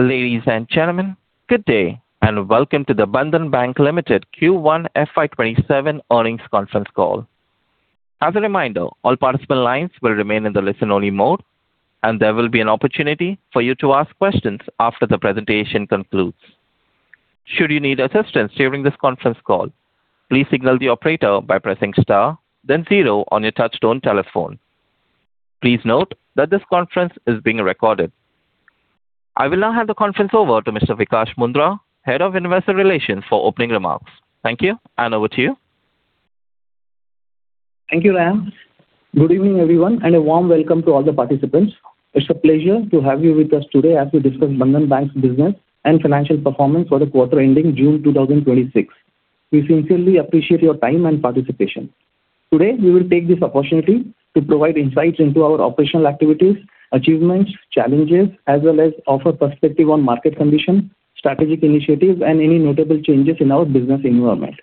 Ladies and gentlemen, good day, welcome to the Bandhan Bank Limited Q1 fiscal year 2027 Earnings Conference Call. As a reminder, all participant lines will remain in the listen-only mode, there will be an opportunity for you to ask questions after the presentation concludes. Should you need assistance during this conference call, please signal the operator by pressing star then zero on your touch-tone telephone. Please note that this conference is being recorded. I will now hand the conference over to Mr. Vikash Mundhra, Head of Investor Relations, for opening remarks. Thank you, over to you. Thank you, Ryan. Good evening, everyone, a warm welcome to all the participants. It's a pleasure to have you with us today as we discuss Bandhan Bank's business and financial performance for the quarter ending June 2026. We sincerely appreciate your time and participation. Today, we will take this opportunity to provide insights into our operational activities, achievements, challenges, as well as offer perspective on market condition, strategic initiatives, any notable changes in our business environment.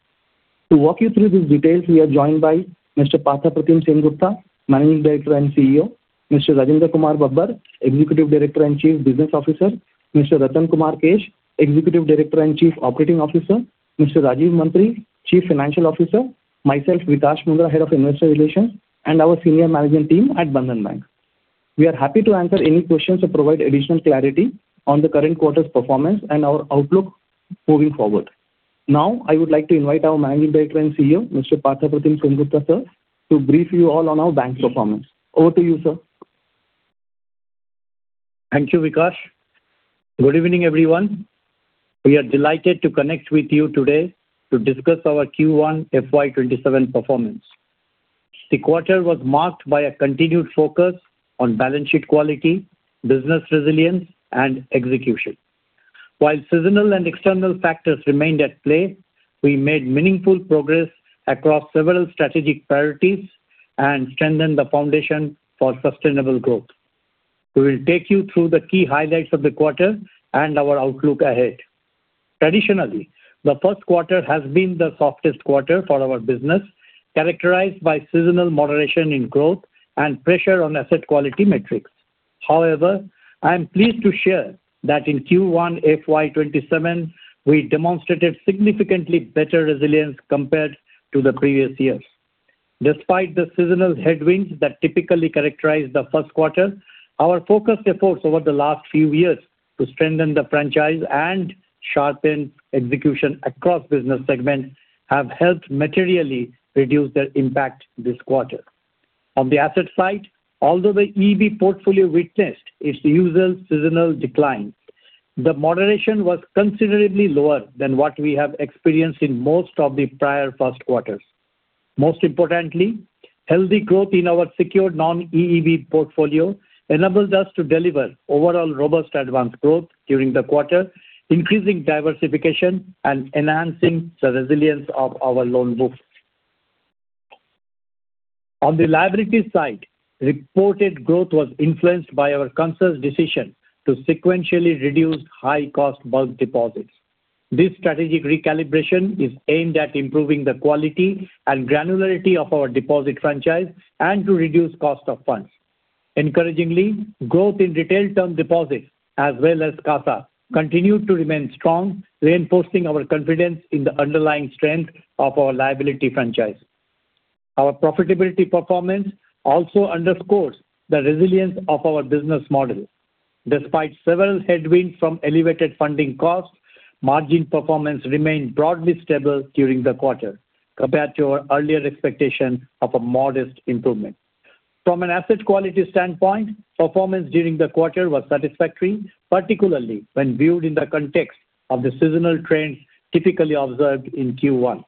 To walk you through these details, we are joined by Mr. Partha Pratim Sengupta, Managing Director and Chief Executive Officer; Mr. Rajinder Kumar Babbar, Executive Director and Chief Business Officer; Mr. Ratan Kumar Kesh, Executive Director and Chief Operating Officer; Mr. Rajeev Mantri, Chief Financial Officer; myself, Vikash Mundhra, Head of Investor Relations; our senior management team at Bandhan Bank. We are happy to answer any questions or provide additional clarity on the current quarter's performance and our outlook moving forward. I would like to invite our Managing Director and Chief Executive Officer, Mr. Partha Pratim Sengupta, sir, to brief you all on our bank's performance. Over to you, sir. Thank you, Vikash. Good evening, everyone. We are delighted to connect with you today to discuss our Q1 fiscal year 2027 performance. The quarter was marked by a continued focus on balance sheet quality, business resilience, execution. While seasonal and external factors remained at play, we made meaningful progress across several strategic priorities, strengthened the foundation for sustainable growth. We will take you through the key highlights of the quarter and our outlook ahead. Traditionally, the first quarter has been the softest quarter for our business, characterized by seasonal moderation in growth and pressure on asset quality metrics. I am pleased to share that in Q1 fiscal year 2027, we demonstrated significantly better resilience compared to the previous years. Despite the seasonal headwinds that typically characterize the first quarter, our focused efforts over the last few years to strengthen the franchise and sharpen execution across business segments have helped materially reduce their impact this quarter. On the asset side, although the EEB portfolio witnessed its usual seasonal decline, the moderation was considerably lower than what we have experienced in most of the prior first quarters. Most importantly, healthy growth in our secured non-EEB portfolio enables us to deliver overall robust advance growth during the quarter, increasing diversification and enhancing the resilience of our loan book. On the liability side, reported growth was influenced by our conscious decision to sequentially reduce high-cost bulk deposits. This strategic recalibration is aimed at improving the quality and granularity of our deposit franchise and to reduce cost of funds. Encouragingly, growth in retail term deposits as well as CASA continued to remain strong, reinforcing our confidence in the underlying strength of our liability franchise. Our profitability performance also underscores the resilience of our business model. Despite several headwinds from elevated funding costs, margin performance remained broadly stable during the quarter compared to our earlier expectation of a modest improvement. From an asset quality standpoint, performance during the quarter was satisfactory, particularly when viewed in the context of the seasonal trends typically observed in Q1.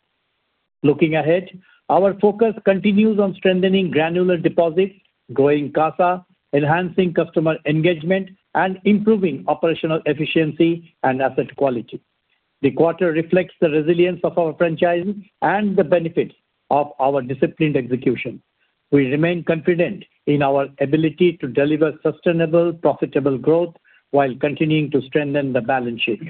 Looking ahead, our focus continues on strengthening granular deposits, growing CASA, enhancing customer engagement, and improving operational efficiency and asset quality. The quarter reflects the resilience of our franchise and the benefits of our disciplined execution. We remain confident in our ability to deliver sustainable, profitable growth while continuing to strengthen the balance sheet.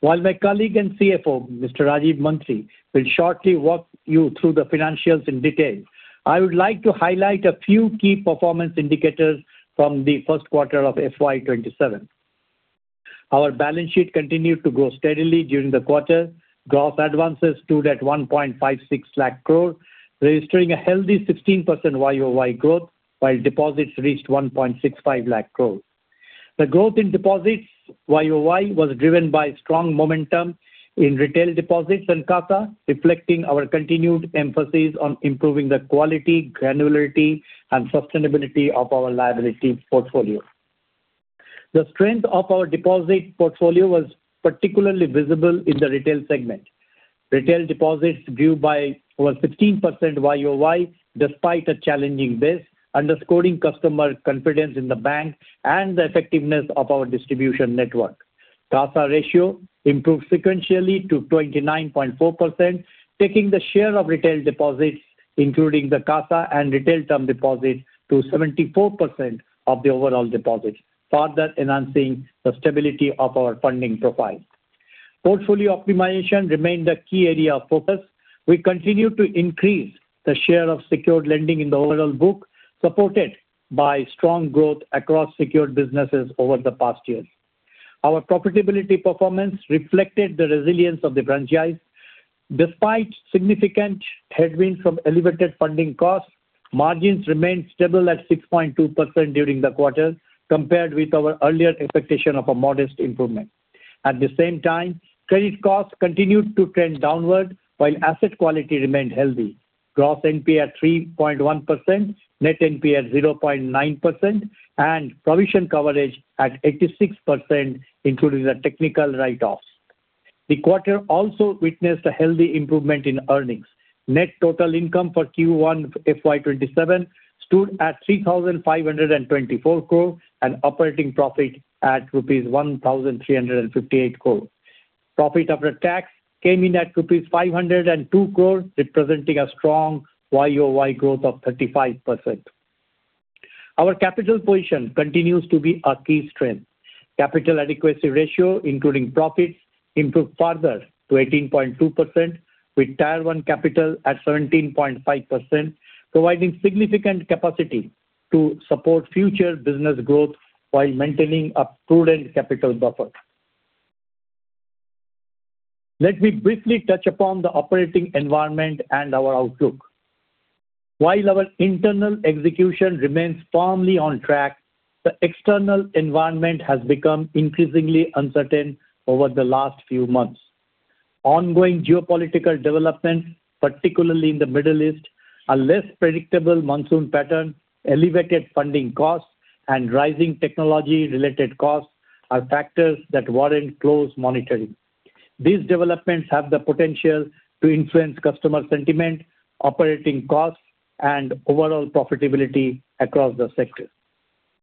While my colleague and Chief Financial Officer, Mr. Rajeev Mantri, will shortly walk you through the financials in detail, I would like to highlight a few key performance indicators from the first quarter of fiscal year 2027. Our balance sheet continued to grow steadily during the quarter. Gross advances stood at 1.56 lakh crore, registering a healthy 16% year-on-year growth, while deposits reached 1.65 lakh crore. The growth in deposits year-on-year was driven by strong momentum in retail deposits and CASA, reflecting our continued emphasis on improving the quality, granularity, and sustainability of our liability portfolio. The strength of our deposit portfolio was particularly visible in the retail segment. Retail deposits grew by over 15% year-on-year despite a challenging base, underscoring customer confidence in the bank and the effectiveness of our distribution network. CASA ratio improved sequentially to 29.4%, taking the share of retail deposits, including the CASA and retail term deposits, to 74% of the overall deposits, further enhancing the stability of our funding profile. Portfolio optimization remained a key area of focus. We continue to increase the share of secured lending in the overall book, supported by strong growth across secured businesses over the past year. Our profitability performance reflected the resilience of the franchise. Despite significant headwinds from elevated funding costs, margins remained stable at 6.2% during the quarter, compared with our earlier expectation of a modest improvement. At the same time, credit costs continued to trend downward while asset quality remained healthy. Gross NPA at 3.1%, net NPA at 0.9%, and provision coverage at 86%, including the technical write-offs. The quarter also witnessed a healthy improvement in earnings. Net total income for Q1 fiscal year 2027 stood at 3,524 crore, and operating profit at rupees 1,358 crore. Profit after tax came in at rupees 502 crore, representing a strong year-on-year growth of 35%. Our capital position continues to be a key strength. Capital adequacy ratio, including profits, improved further to 18.2%, with Tier 1 capital at 17.5%, providing significant capacity to support future business growth while maintaining a prudent capital buffer. Let me briefly touch upon the operating environment and our outlook. While our internal execution remains firmly on track, the external environment has become increasingly uncertain over the last few months. Ongoing geopolitical developments, particularly in the Middle East, a less predictable monsoon pattern, elevated funding costs, and rising technology-related costs are factors that warrant close monitoring. These developments have the potential to influence customer sentiment, operating costs, and overall profitability across the sector.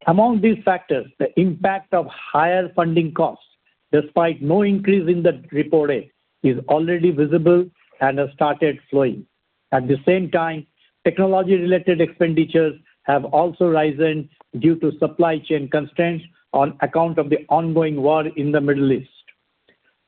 Among these factors, the impact of higher funding costs, despite no increase in the repo rate, is already visible and has started flowing. At the same time, technology-related expenditures have also risen due to supply chain constraints on account of the ongoing war in the Middle East.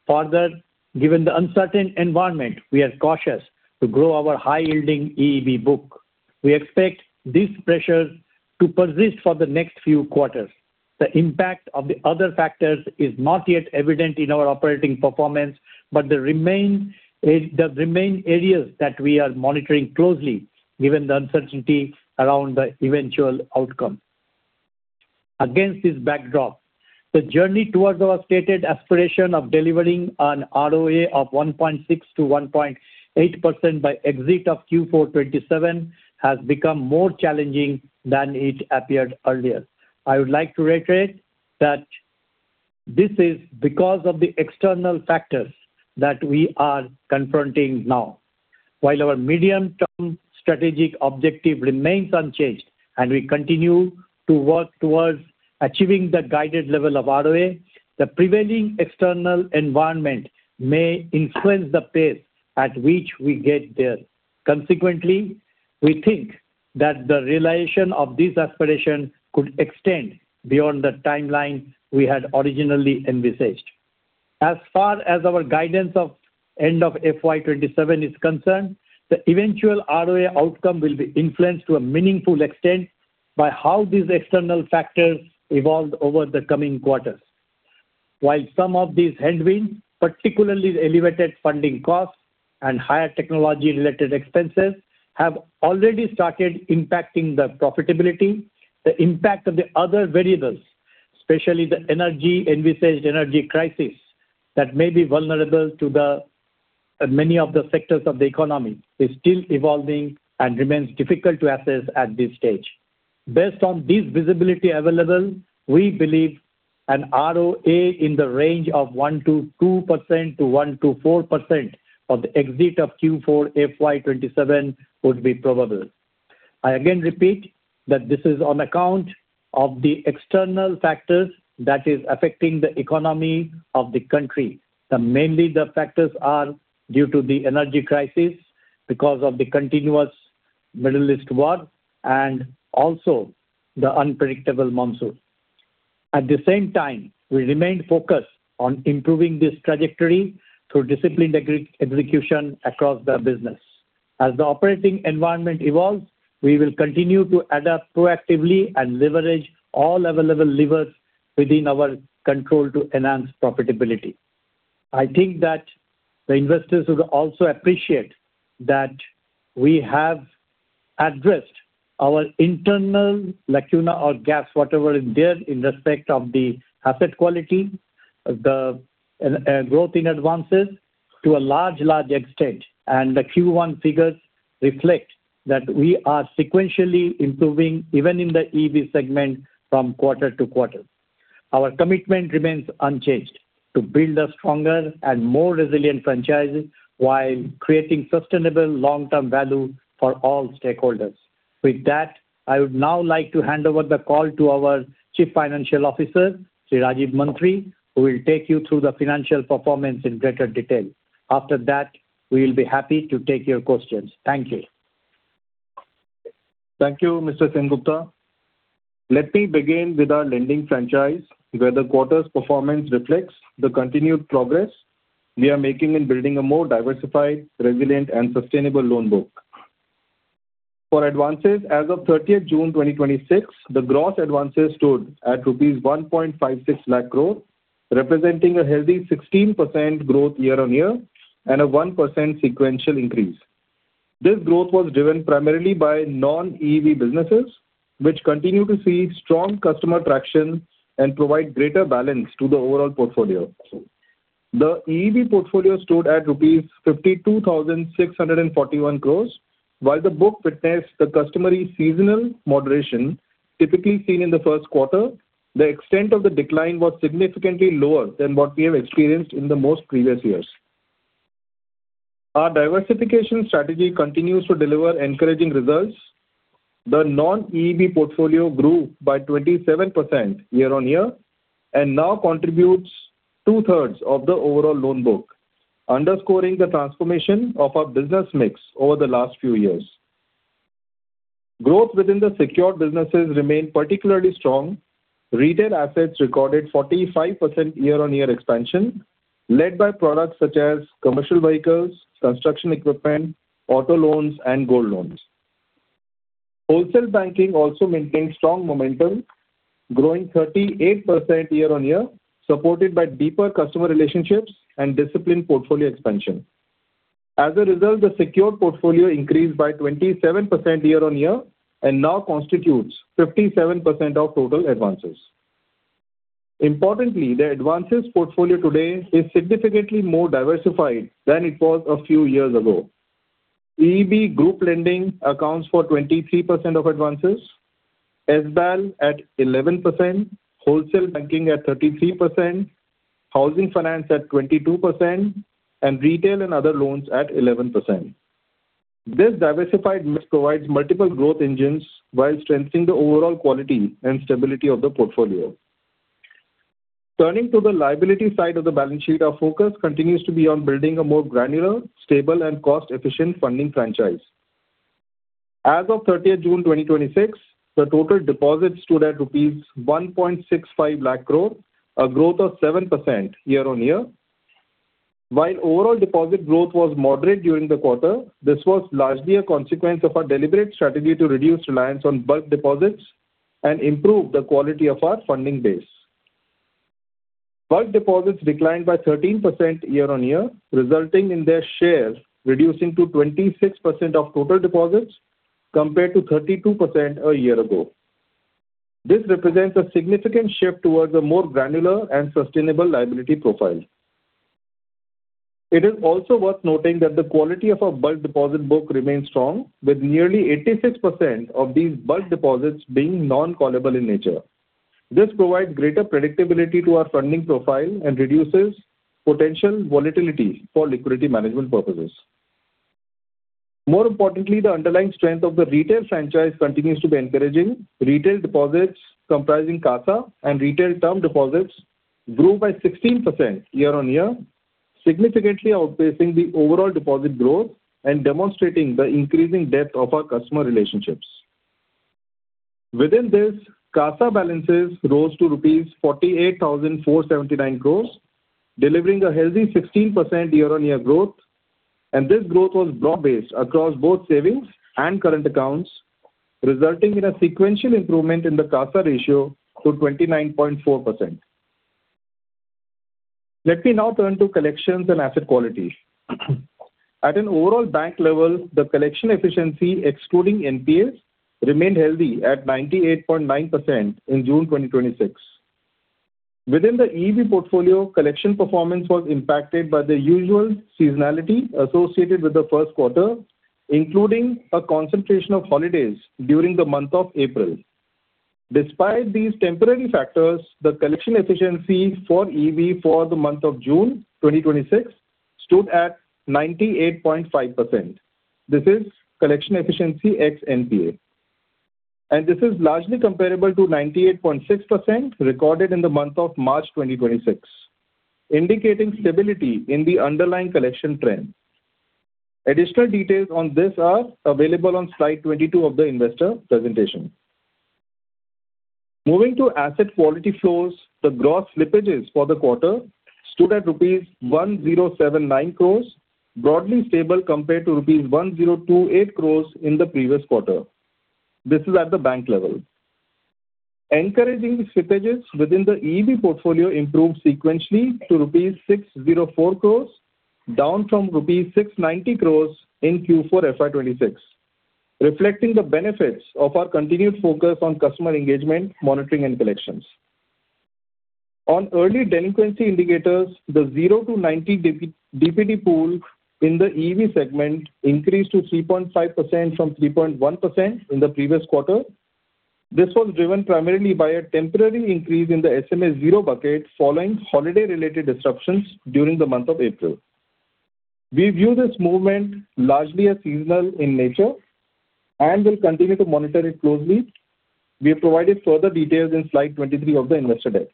Further, given the uncertain environment, we are cautious to grow our high-yielding EEB book. We expect these pressures to persist for the next few quarters. The impact of the other factors is not yet evident in our operating performance, but they remain areas that we are monitoring closely given the uncertainty around the eventual outcome. Against this backdrop, the journey towards our stated aspiration of delivering an ROA of 1.6%-1.8% by exit of Q4 fiscal year 2027 has become more challenging than it appeared earlier. I would like to reiterate that this is because of the external factors that we are confronting now. While our medium-term strategic objective remains unchanged, and we continue to work towards achieving the guided level of ROA, the prevailing external environment may influence the pace at which we get there. Consequently, we think that the realization of this aspiration could extend beyond the timeline we had originally envisaged. As far as our guidance of end of fiscal year 2027 is concerned, the eventual ROA outcome will be influenced to a meaningful extent by how these external factors evolve over the coming quarters. While some of these headwinds, particularly the elevated funding costs and higher technology-related expenses, have already started impacting the profitability, the impact of the other variables, especially the envisaged energy crisis that may be vulnerable to many of the sectors of the economy, is still evolving and remains difficult to assess at this stage. Based on this visibility available, we believe an ROA in the range of 1%-2% to 1%-4% of the exit of Q4 fiscal year 2027 would be probable. I again repeat that this is on account of the external factors that is affecting the economy of the country. Mainly the factors are due to the energy crisis because of the continuous Middle East war and also the unpredictable monsoon. At the same time, we remain focused on improving this trajectory through disciplined execution across the business. As the operating environment evolves, we will continue to adapt proactively and leverage all available levers within our control to enhance profitability. I think that the investors would also appreciate that we have addressed our internal lacuna or gaps, whatever is there in respect of the asset quality, the growth in advances to a large extent, and the Q1 figures reflect that we are sequentially improving, even in the EEB segment, from quarter to quarter. Our commitment remains unchanged: to build a stronger and more resilient franchise while creating sustainable long-term value for all stakeholders. With that, I would now like to hand over the call to our Chief Financial Officer, Shri Rajeev Mantri, who will take you through the financial performance in greater detail. After that, we will be happy to take your questions. Thank you. Thank you, Mr. Sengupta. Let me begin with our lending franchise, where the quarter's performance reflects the continued progress we are making in building a more diversified, resilient, and sustainable loan book. For advances as of June 30th, 2026, the gross advances stood at rupees 1.56 lakh crore, representing a healthy 16% growth year-on-year and a 1% sequential increase. This growth was driven primarily by non-EEB businesses, which continue to see strong customer traction and provide greater balance to the overall portfolio. The EEB portfolio stood at rupees 52,641 crore, while the book witnessed the customary seasonal moderation typically seen in the first quarter. The extent of the decline was significantly lower than what we have experienced in the most previous years. Our diversification strategy continues to deliver encouraging results. The non-EEB portfolio grew by 27% year-on-year and now contributes 2/3 of the overall loan book, underscoring the transformation of our business mix over the last few years. Growth within the secured businesses remained particularly strong. Retail assets recorded 45% year-on-year expansion, led by products such as Commercial Vehicles, Construction Equipment, auto loans, and gold loans. Wholesale banking also maintained strong momentum, growing 38% year-on-year, supported by deeper customer relationships and disciplined portfolio expansion. As a result, the secured portfolio increased by 27% year-on-year and now constitutes 57% of total advances. Importantly, the advances portfolio today is significantly more diversified than it was a few years ago. EEB group lending accounts for 23% of advances, SBAL at 11%, wholesale banking at 33%, housing finance at 22%, and retail and other loans at 11%. This diversified mix provides multiple growth engines while strengthening the overall quality and stability of the portfolio. Turning to the liability side of the balance sheet, our focus continues to be on building a more granular, stable, and cost-efficient funding franchise. As of June 30th, 2026, the total deposits stood at rupees 1.65 lakh crore, a growth of 7% year-on-year. While overall deposit growth was moderate during the quarter, this was largely a consequence of our deliberate strategy to reduce reliance on bulk deposits and improve the quality of our funding base. Bulk deposits declined by 13% year-on-year, resulting in their share reducing to 26% of total deposits, compared to 32% a year ago. This represents a significant shift towards a more granular and sustainable liability profile. It is also worth noting that the quality of our bulk deposit book remains strong, with nearly 86% of these bulk deposits being non-callable in nature. This provides greater predictability to our funding profile and reduces potential volatility for liquidity management purposes. More importantly, the underlying strength of the retail franchise continues to be encouraging. Retail deposits, comprising CASA and retail term deposits, grew by 16% year-on-year, significantly outpacing the overall deposit growth and demonstrating the increasing depth of our customer relationships. Within this, CASA balances rose to rupees 48,479 crore, delivering a healthy 16% year-on-year growth, and this growth was broad-based across both savings and current accounts, resulting in a sequential improvement in the CASA ratio to 29.4%. Let me now turn to collections and asset quality. At an overall bank level, the collection efficiency, excluding NPAs, remained healthy at 98.9% in June 2026. Within the EEB portfolio, collection performance was impacted by the usual seasonality associated with the first quarter, including a concentration of holidays during the month of April. Despite these temporary factors, the collection efficiency for EEB for the month of June 2026 stood at 98.5%. This is collection efficiency ex-NPA and this is largely comparable to 98.6% recorded in the month of March 2026, indicating stability in the underlying collection trend. Additional details on this are available on slide 22 of the investor presentation. Moving to asset quality flows, the gross slippages for the quarter stood at rupees 1,079 crore, broadly stable compared to rupees 1,028 crore in the previous quarter. This is at the bank level. Encouragingly, slippages within the EEB portfolio improved sequentially to rupees 604 crore, down from rupees 690 crore in Q4 fiscal year 2026, reflecting the benefits of our continued focus on customer engagement, monitoring, and collections. On early delinquency indicators, the zero to 90 DPD pool in the EEB segment increased to 3.5% from 3.1% in the previous quarter. This was driven primarily by a temporary increase in the SMA-0 bucket following holiday-related disruptions during the month of April. We view this movement largely as seasonal in nature and will continue to monitor it closely. We have provided further details in slide 23 of the investor deck.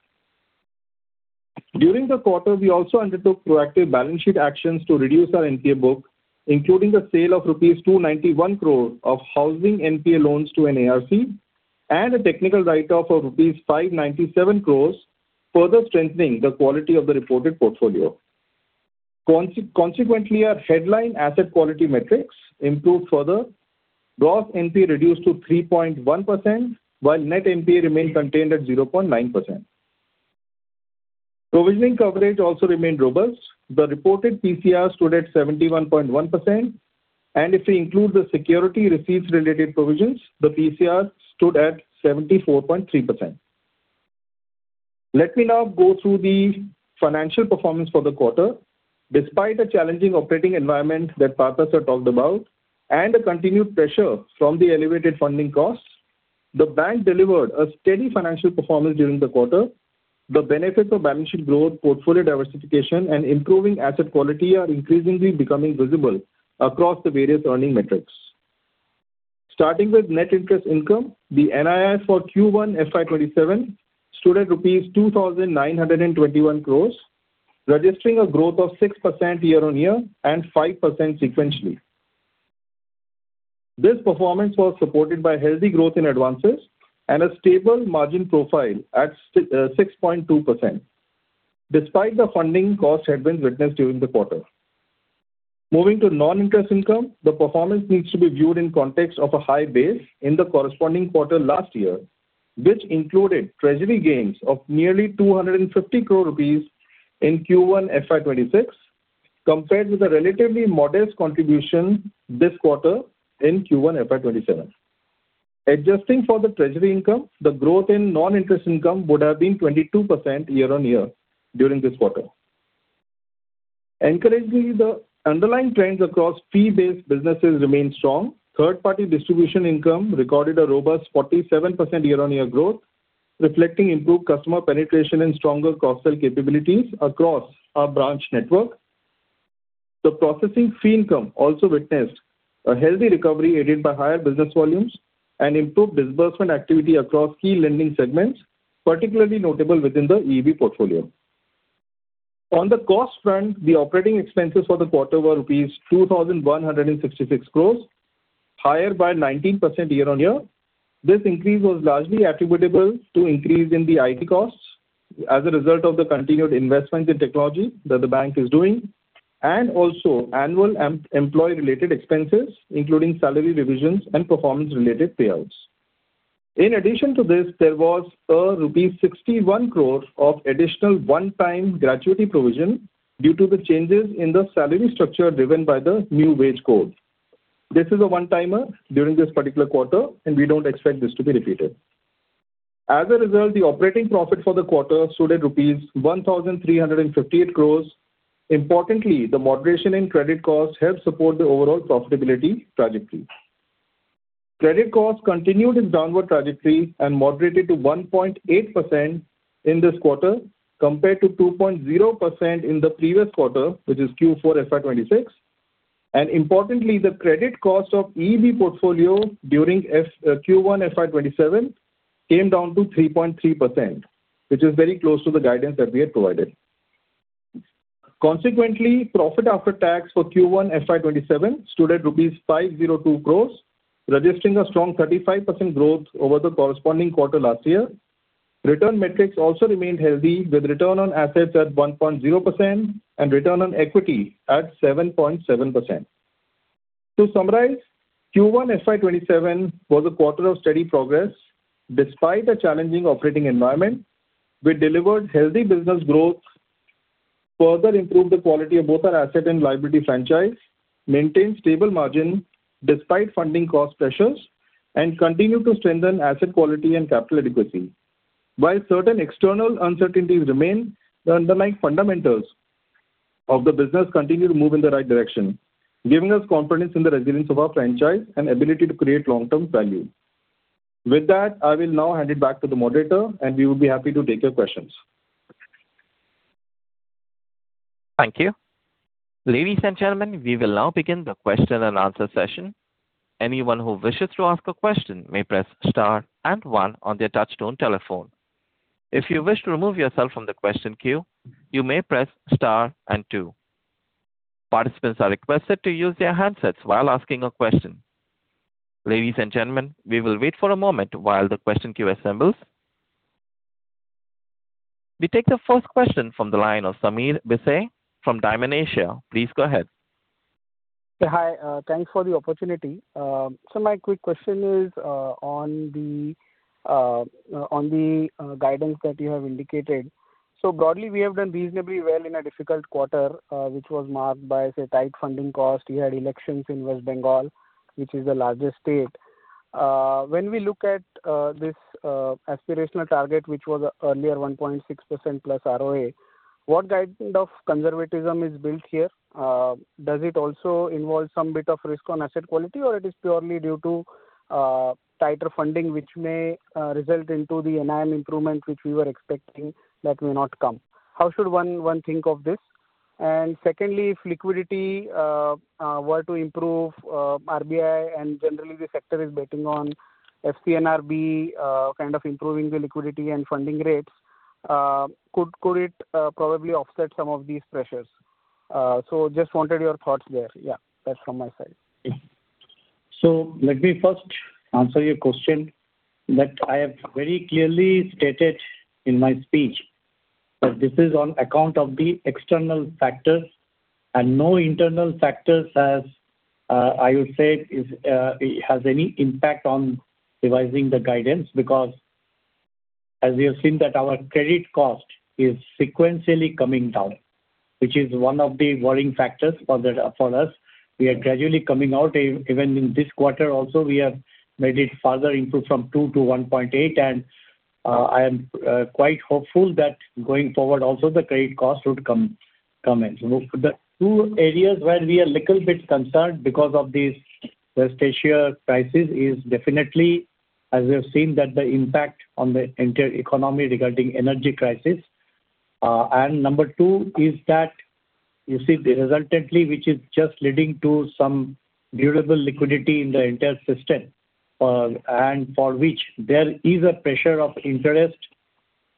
During the quarter, we also undertook proactive balance sheet actions to reduce our NPA book, including the sale of rupees 291 crore of housing NPA loans to an ARC and a technical write-off of rupees 597 crore, further strengthening the quality of the reported portfolio. Consequently, our headline asset quality metrics improved further. Gross NPA reduced to 3.1%, while net NPA remained contained at 0.9%. Provisioning coverage also remained robust. The reported PCR stood at 71.1%, and if we include the security receipts-related provisions, the PCR stood at 74.3%. Let me now go through the financial performance for the quarter. Despite a challenging operating environment that Partha Pratim talked about and the continued pressure from the elevated funding costs, the bank delivered a steady financial performance during the quarter. The benefits of balance sheet growth, portfolio diversification, and improving asset quality are increasingly becoming visible across the various earning metrics. Starting with net interest income, the NII for Q1 fiscal year 2027 stood at rupees 2,921 crore, registering a growth of 6% year-on-year and 5% sequentially. This performance was supported by healthy growth in advances and a stable margin profile at 6.2%, despite the funding cost headwinds witnessed during the quarter. Moving to non-interest income, the performance needs to be viewed in context of a high base in the corresponding quarter last year, which included treasury gains of nearly 250 crore rupees in Q1 fiscal year 2026, compared with a relatively modest contribution this quarter in Q1 fiscal year 2027. Adjusting for the treasury income, the growth in non-interest income would have been 22% year-on-year during this quarter. Encouragingly, the underlying trends across fee-based businesses remain strong. Third-party distribution income recorded a robust 47% year-on-year growth, reflecting improved customer penetration and stronger cross-sell capabilities across our branch network. The processing fee income also witnessed a healthy recovery, aided by higher business volumes and improved disbursement activity across key lending segments, particularly notable within the EEB portfolio. On the cost front, the operating expenses for the quarter were rupees 2,166 crore, higher by 19% year-on-year. This increase was largely attributable to increase in the IT costs as a result of the continued investments in technology that the bank is doing and also annual employee-related expenses, including salary revisions and performance-related payouts. In addition to this, there was a rupees 61 crore of additional one-time gratuity provision due to the changes in the salary structure driven by the new wage code. This is a one-timer during this particular quarter, and we don't expect this to be repeated. As a result, the operating profit for the quarter stood at rupees 1,358 crore. Importantly, the moderation in credit costs helped support the overall profitability trajectory. Credit costs continued its downward trajectory and moderated to 1.8% in this quarter compared to 2.0% in the previous quarter, which is Q4 fiscal year 2026. Importantly, the credit cost of EEB portfolio during Q1 fiscal year 2027 came down to 3.3%, which is very close to the guidance that we had provided. Consequently, profit after tax for Q1 fiscal year 2027 stood at rupees 502 crore, registering a strong 35% growth over the corresponding quarter last year. Return metrics also remained healthy, with return on assets at 1.0% and return on equity at 7.7%. To summarize, Q1 fiscal year 2027 was a quarter of steady progress. Despite a challenging operating environment, we delivered healthy business growth, further improved the quality of both our asset and liability franchise, maintained stable margin despite funding cost pressures, and continued to strengthen asset quality and capital adequacy. While certain external uncertainties remain, the underlying fundamentals of the business continue to move in the right direction, giving us confidence in the resilience of our franchise and ability to create long-term value. With that, I will now hand it back to the moderator, and we will be happy to take your questions. Thank you. Ladies and gentlemen, we will now begin the question and answer session. Anyone who wishes to ask a question may press star and one on their touchtone telephone. If you wish to remove yourself from the question queue, you may press star and two. Participants are requested to use their handsets while asking a question. Ladies and gentlemen, we will wait for a moment while the question queue assembles. We take the first question from the line of Sameer Bhise from Dymon Asia. Please go ahead. Hi. Thanks for the opportunity. My quick question is on the guidance that you have indicated. Broadly, we have done reasonably well in a difficult quarter, which was marked by tight funding cost. You had elections in West Bengal, which is the largest state. When we look at this aspirational target, which was earlier 1.6%+ ROA, what guidance of conservatism is built here? Does it also involve some bit of risk on asset quality, or it is purely due to tighter funding, which may result into the NIM improvement which we were expecting that may not come? How should one think of this? Secondly, if liquidity were to improve RBI and generally the sector is betting on FCNR kind of improving the liquidity and funding rates. Could it probably offset some of these pressures? Just wanted your thoughts there. Yeah, that's from my side. Let me first answer your question that I have very clearly stated in my speech, that this is on account of the external factors and no internal factors, as I would say, has any impact on revising the guidance. Because as we have seen that our credit cost is sequentially coming down, which is one of the worrying factors for us. We are gradually coming out. Even in this quarter also, we have made it further improve from 2%-1.8% and I am quite hopeful that going forward also the credit cost would come in. The two areas where we are little bit concerned because of this West Asia crisis is definitely, as you have seen, that the impact on the entire economy regarding energy crisis. Number two is that you see resultantly, which is just leading to some durable liquidity in the entire system, and for which there is a pressure of interest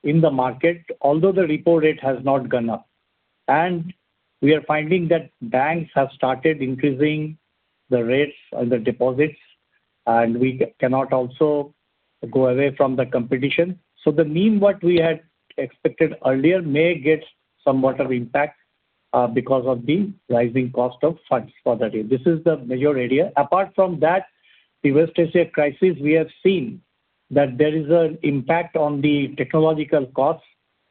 in the market, although the repo rate has not gone up. We are finding that banks have started increasing the rates on the deposits, and we cannot also go away from the competition. The mean what we had expected earlier may get somewhat of impact because of the rising cost of funds for that. This is the major area. Apart from that, the West Asia crisis, we have seen that there is an impact on the technological costs.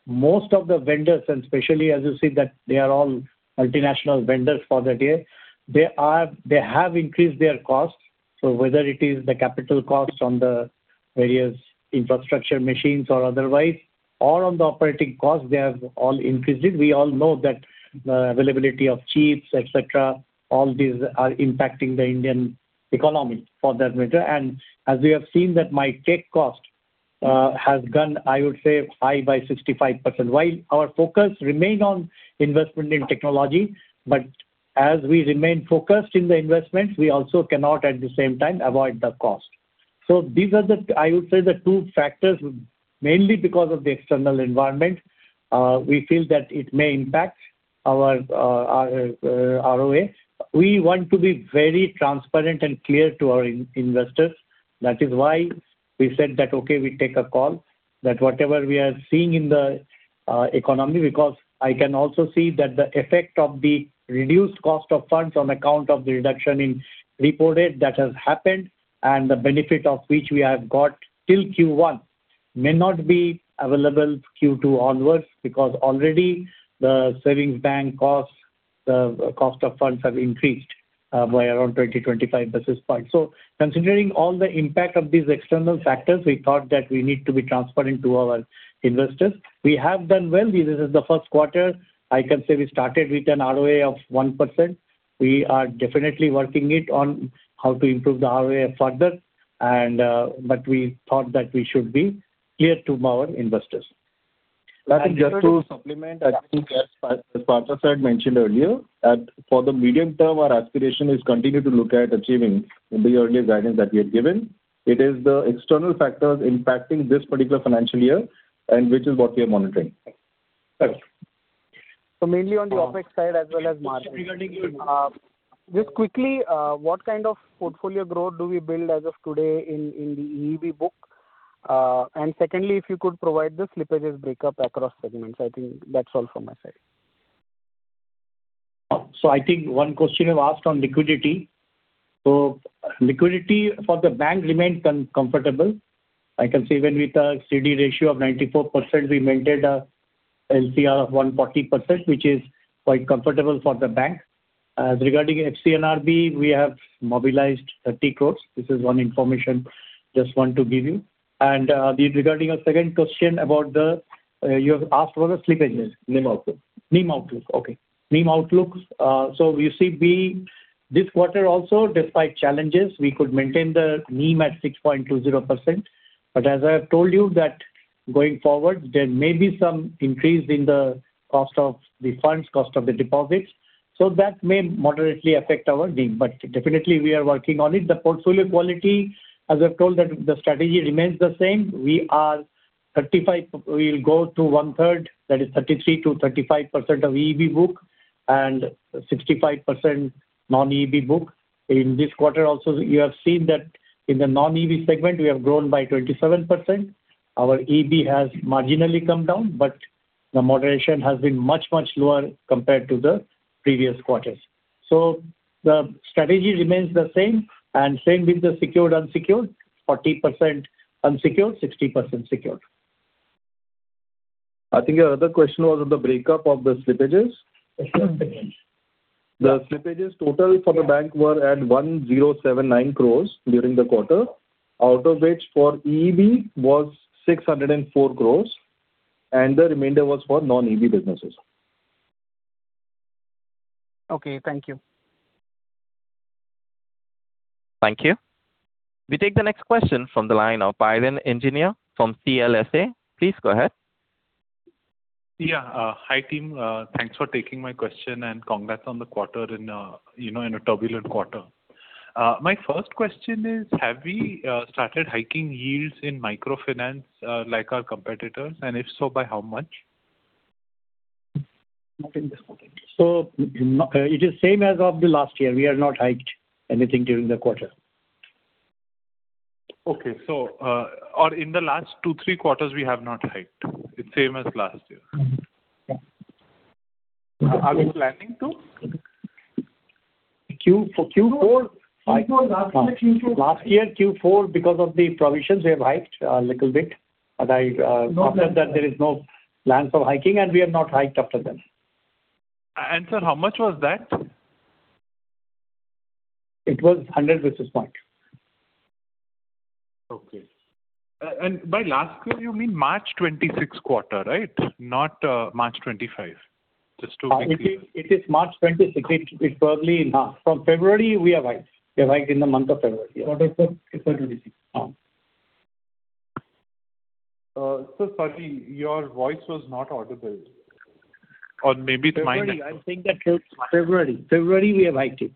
Most of the vendors, and especially as you see that they are all multinational vendors for that year, they have increased their costs. Whether it is the capital costs on the various infrastructure machines or otherwise, or on the operating costs, they have all increased it. We all know that the availability of chips, et cetera, all these are impacting the Indian economy for that matter. As we have seen that my tech cost has gone, I would say, high by 65%. While our focus remain on investment in technology, as we remain focused in the investments, we also cannot at the same time avoid the cost. These are, I would say, the two factors, mainly because of the external environment, we feel that it may impact our ROA. We want to be very transparent and clear to our investors. That is why we said that, okay, we take a call that whatever we are seeing in the economy, because I can also see that the effect of the reduced cost of funds on account of the reduction in repo rate that has happened, and the benefit of which we have got till Q1 may not be available Q2 onwards, because already the savings bank costs, the cost of funds have increased by around 20 basis points, 25 basis points. Considering all the impact of these external factors, we thought that we need to be transparent to our investors. We have done well. This is the first quarter, I can say we started with an ROA of 1%. We are definitely working it on how to improve the ROA further. We thought that we should be clear to our investors. Just to supplement, I think, as Partha Pratim mentioned earlier, that for the medium term, our aspiration is continue to look at achieving the earlier guidance that we had given. It is the external factors impacting this particular financial year, which is what we are monitoring. Correct. Mainly on the OpEx side as well as margin. Just quickly, what kind of portfolio growth do we build as of today in the EEB book? Secondly, if you could provide the slippages breakup across segments. I think that's all from my side. I think one question you asked on liquidity. Liquidity for the bank remained comfortable. I can say when with a CD ratio of 94%, we maintained a LCR of 140%, which is quite comfortable for the bank. Regarding FCNR, we have mobilized 30 crores. This is one information just want to give you. Regarding your second question, you have asked for the slippages. NIM outlook. NIM outlook. Okay. NIM outlook. You see, this quarter also, despite challenges, we could maintain the NIM at 6.20%. As I have told you that going forward, there may be some increase in the cost of the funds, cost of the deposits. That may moderately affect our NIM, but definitely we are working on it. The portfolio quality, as I've told that the strategy remains the same. We'll go to 1/3, that is 33%-35% of EEB book and 65% non-EEB book. In this quarter also, you have seen that in the non-EEB segment, we have grown by 27%. Our EEB has marginally come down, but the moderation has been much, much lower compared to the previous quarters. The strategy remains the same and same with the secured-unsecured, 40% unsecured, 60% secured. I think your other question was on the breakup of the slippages. Yes. The slippages total for the bank were at 1,079 crores during the quarter. Out of which for EEB was 604 crores, and the remainder was for non-EEB businesses. Okay. Thank you. Thank you. We take the next question from the line of Piran Engineer from CLSA. Please go ahead. Yeah. Hi, team. Thanks for taking my question, and congrats on the quarter in a turbulent quarter. My first question is, have we started hiking yields in microfinance, like our competitors? If so, by how much? Not in this quarter. It is same as of the last year. We have not hiked anything during the quarter. Okay. In the last two, three quarters, we have not hiked. It's same as last year. Mm-hmm. Yeah. Are we planning to? For Q4- Last year, Q4- Last year, Q4, because of the provisions, we have hiked a little bit. After that there is no plan for hiking, and we have not hiked after that. sir, how much was that? It was 100 basis points. Okay. By last year, you mean March 2026 quarter, right? Not March 2025. Just to be clear. It is March 2026. From February, we have hiked. We have hiked in the month of February. Quarter for February. Yeah. Sir, sorry, your voice was not audible. Maybe it's my network. February. I'm saying that February. February, we have hiked it.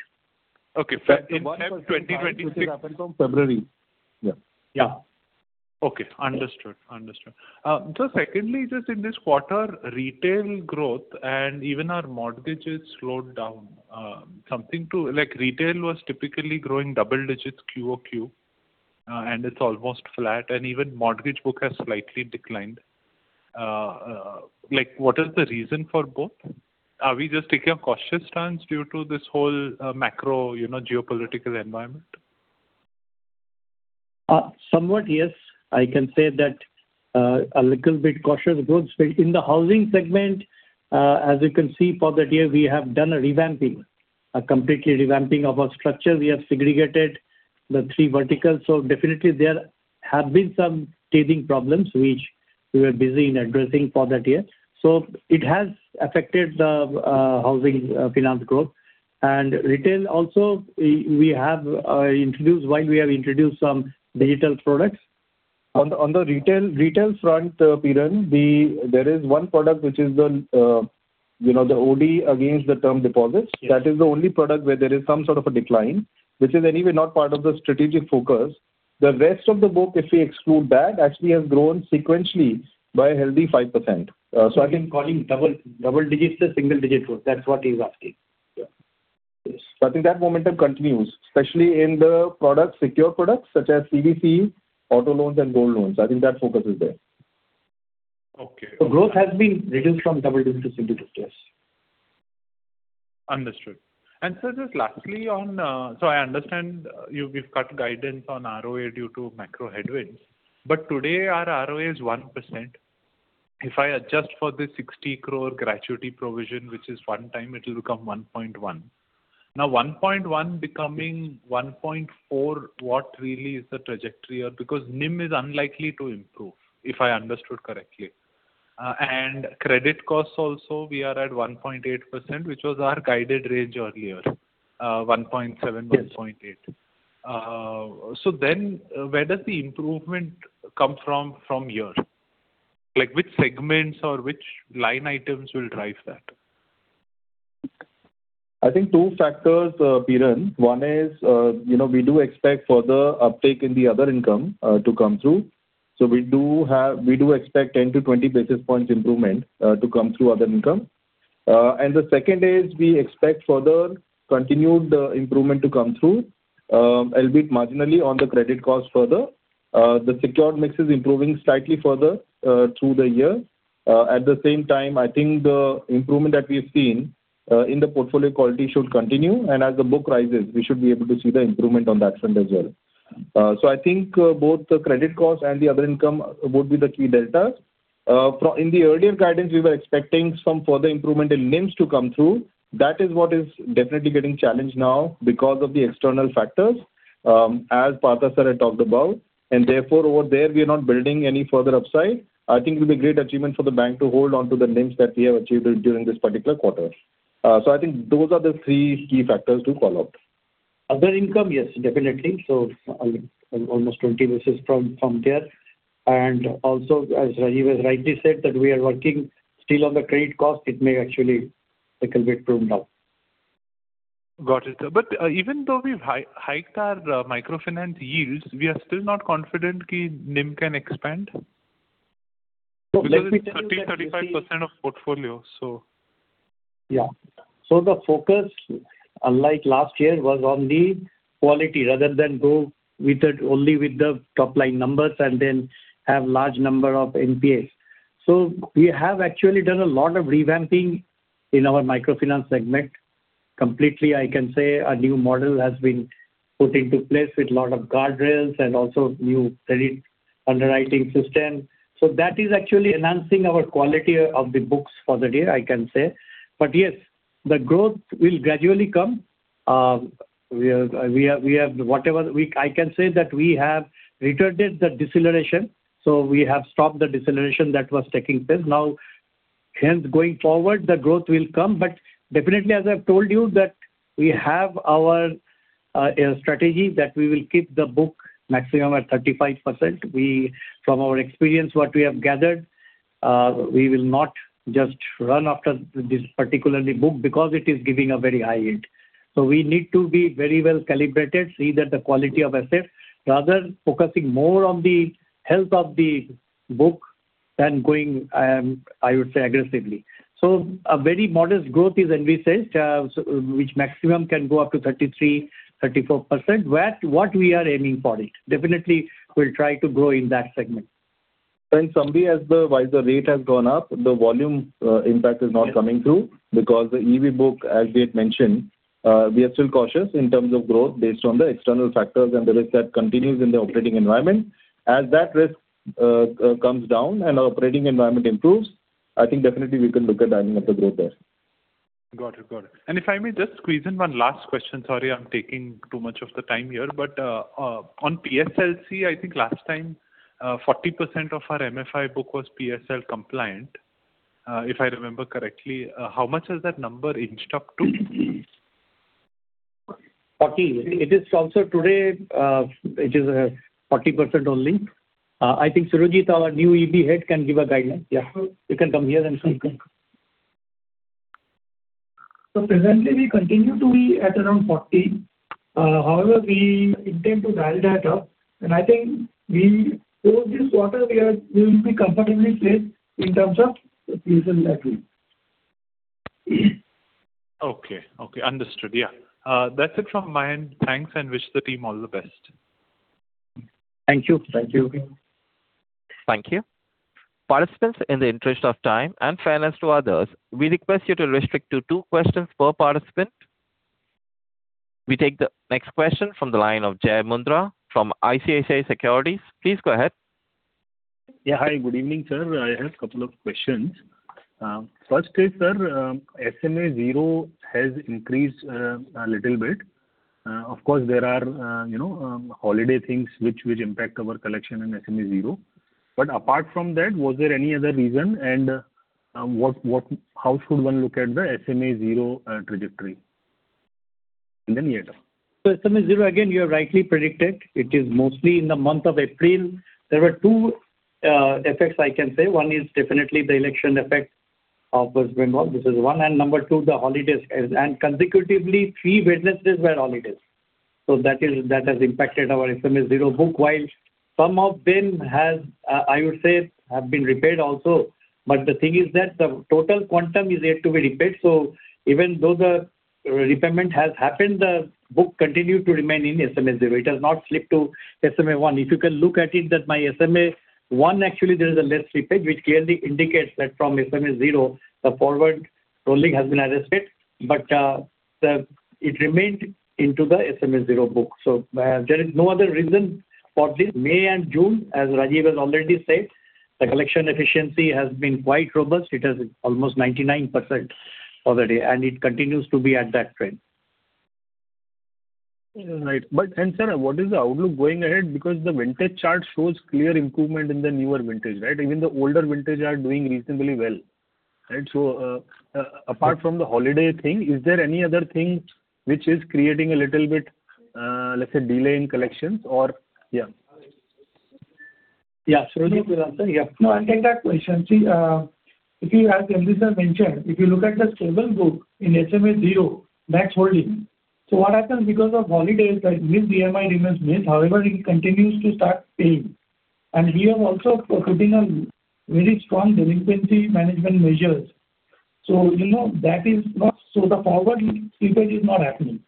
Okay. In Feb 2026. It happened from February. Yeah. Okay. Understood. Sir, secondly, just in this quarter, retail growth and even our mortgages slowed down. Retail was typically growing double digits quarter-over-quarter, and it is almost flat. Even mortgage book has slightly declined. What is the reason for both? Are we just taking a cautious stance due to this whole macro geopolitical environment? Somewhat, yes. I can say that a little bit cautious approach. In the housing segment, as you can see for that year, we have done a revamping. A completely revamping of our structure. We have segregated the three verticals. Definitely there have been some teething problems, which we were busy in addressing for that year. It has affected the housing finance growth. Retail also, while we have introduced some digital products. On the retail front, Piran, there is one product which is the OD against the term deposits. Yes. That is the only product where there is some sort of a decline, which is anyway not part of the strategic focus. The rest of the book, if we exclude that, actually has grown sequentially by a healthy 5%. I think calling double digits to single digits, that's what he's asking. Yeah. Yes. I think that momentum continues, especially in the secure products such as CDC, auto loans, and gold loans. I think that focus is there. Okay. The growth has been reduced from double digits to single digits. Understood. Sir, just lastly on I understand you've cut guidance on ROA due to macro headwinds, but today our ROA is 1%. If I adjust for the 61 crore gratuity provision, which is one-time, it will become 1.1%. Now, 1.1 becoming 1.4%, what really is the trajectory? Because NIM is unlikely to improve, if I understood correctly. Credit costs also, we are at 1.8%, which was our guided range earlier, 1.7%-1.8%. Yes. Where does the improvement come from here? Which segments or which line items will drive that? I think two factors, Piran. One is, we do expect further uptake in the other income to come through. We do expect 10 basis points-20 basis points improvement to come through other income. The second is, we expect further continued improvement to come through, albeit marginally on the credit cost further. The secured mix is improving slightly further through the year. At the same time, I think the improvement that we have seen in the portfolio quality should continue, and as the book rises, we should be able to see the improvement on that front as well. I think both the credit cost and the other income would be the key deltas. In the earlier guidance, we were expecting some further improvement in NIMs to come through. That is what is definitely getting challenged now because of the external factors, as Partha Pratim talked about. Therefore, over there, we are not building any further upside. I think it will be a great achievement for the bank to hold onto the NIMs that we have achieved during this particular quarter. I think those are the three key factors to call out. Other income, yes, definitely. Almost 20 basis points from there. Also, as Rajeev has rightly said, that we are working still on the credit cost. It may actually little bit improve now. Got it, sir. Even though we've hiked our microfinance yields, we are still not confident that NIM can expand? Because it's 30%, 35% of portfolio. Yeah. The focus, unlike last year, was on the quality rather than go with it only with the top-line numbers and then have large number of NPAs. We have actually done a lot of revamping in our microfinance segment. Completely, I can say a new model has been put into place with lot of guardrails and also new credit underwriting system. That is actually enhancing our quality of the books for the year, I can say. Yes, the growth will gradually come. I can say that we have retarded the deceleration. We have stopped the deceleration that was taking place. Going forward, the growth will come. Definitely, as I've told you, that we have our strategy that we will keep the book maximum at 35%. From our experience what we have gathered, we will not just run after this, particularly book, because it is giving a very high yield. We need to be very well-calibrated, see that the quality of assets, rather focusing more on the health of the book than going, I would say, aggressively. A very modest growth is envisaged, which maximum can go up to 33%, 34%, what we are aiming for it. Definitely, we'll try to grow in that segment. Sameer, as the wiser rate has gone up, the volume impact is not coming through because the EEB book, as we had mentioned, we are still cautious in terms of growth based on the external factors and the risk that continues in the operating environment. As that risk comes down and our operating environment improves, I think definitely we can look at adding up the growth there. Got it. If I may just squeeze in one last question. Sorry, I'm taking too much of the time here. On PSLC, I think last time, 40% of our MFI book was PSL compliant, if I remember correctly. How much has that number inched up to? 40%. It is also today, it is 40% only. I think Surajit, our new EEB head, can give a guidance. You can come here and say. Presently, we continue to be at around 40%. However, we intend to dial that up. I think we, through this quarter, we will be comfortably placed in terms of PSL level. Okay. Understood. That's it from my end. Thanks, wish the team all the best. Thank you. Thank you. Thank you. Participants, in the interest of time and fairness to others, we request you to restrict to two questions per participant. We take the next question from the line of Jai Mundra, from ICICI Securities. Please go ahead. Yeah. Hi, good evening, sir. I have a couple of questions. First is, sir, SMA zero has increased a little bit. Of course, there are holiday things which impact our collection and SMA zero. Apart from that, was there any other reason, and how should one look at the SMA zero trajectory? Then yield. SMA zero, again, you have rightly predicted. It is mostly in the month of April. There were two effects I can say. One is definitely the election effect of West Bengal. This is one. Number two, the holidays. Consecutively, three Wednesdays were holidays. That has impacted our SMA zero book. While some of them, I would say, have been repaid also. The thing is that the total quantum is yet to be repaid. Even though the repayment has happened, the book continued to remain in SMA zero. It has not slipped to SMA one. If you can look at it that my SMA one actually there is a less slippage, which clearly indicates that from SMA zero, the forward rolling has been arrested, but it remained into the SMA zero book. There is no other reason for this. May and June, as Rajeev has already said, the collection efficiency has been quite robust. It has almost 99% for the day, and it continues to be at that trend. Right. But, sir, what is the outlook going ahead? Because the vintage chart shows clear improvement in the newer vintage, right? Even the older vintage are doing reasonably well, right? Apart from the holiday thing, is there any other thing which is creating a little bit, let's say, delay in collections or yeah. Yeah. Surajit will answer. Yeah. I'll take that question. See, as Managing Director sir mentioned, if you look at the stable book in SMA zero, that's holding. What happens because of holidays that miss EMI remains missed. However, it continues to start paying. We are also putting a very strong delinquency management measures. The forward slippage is not happening.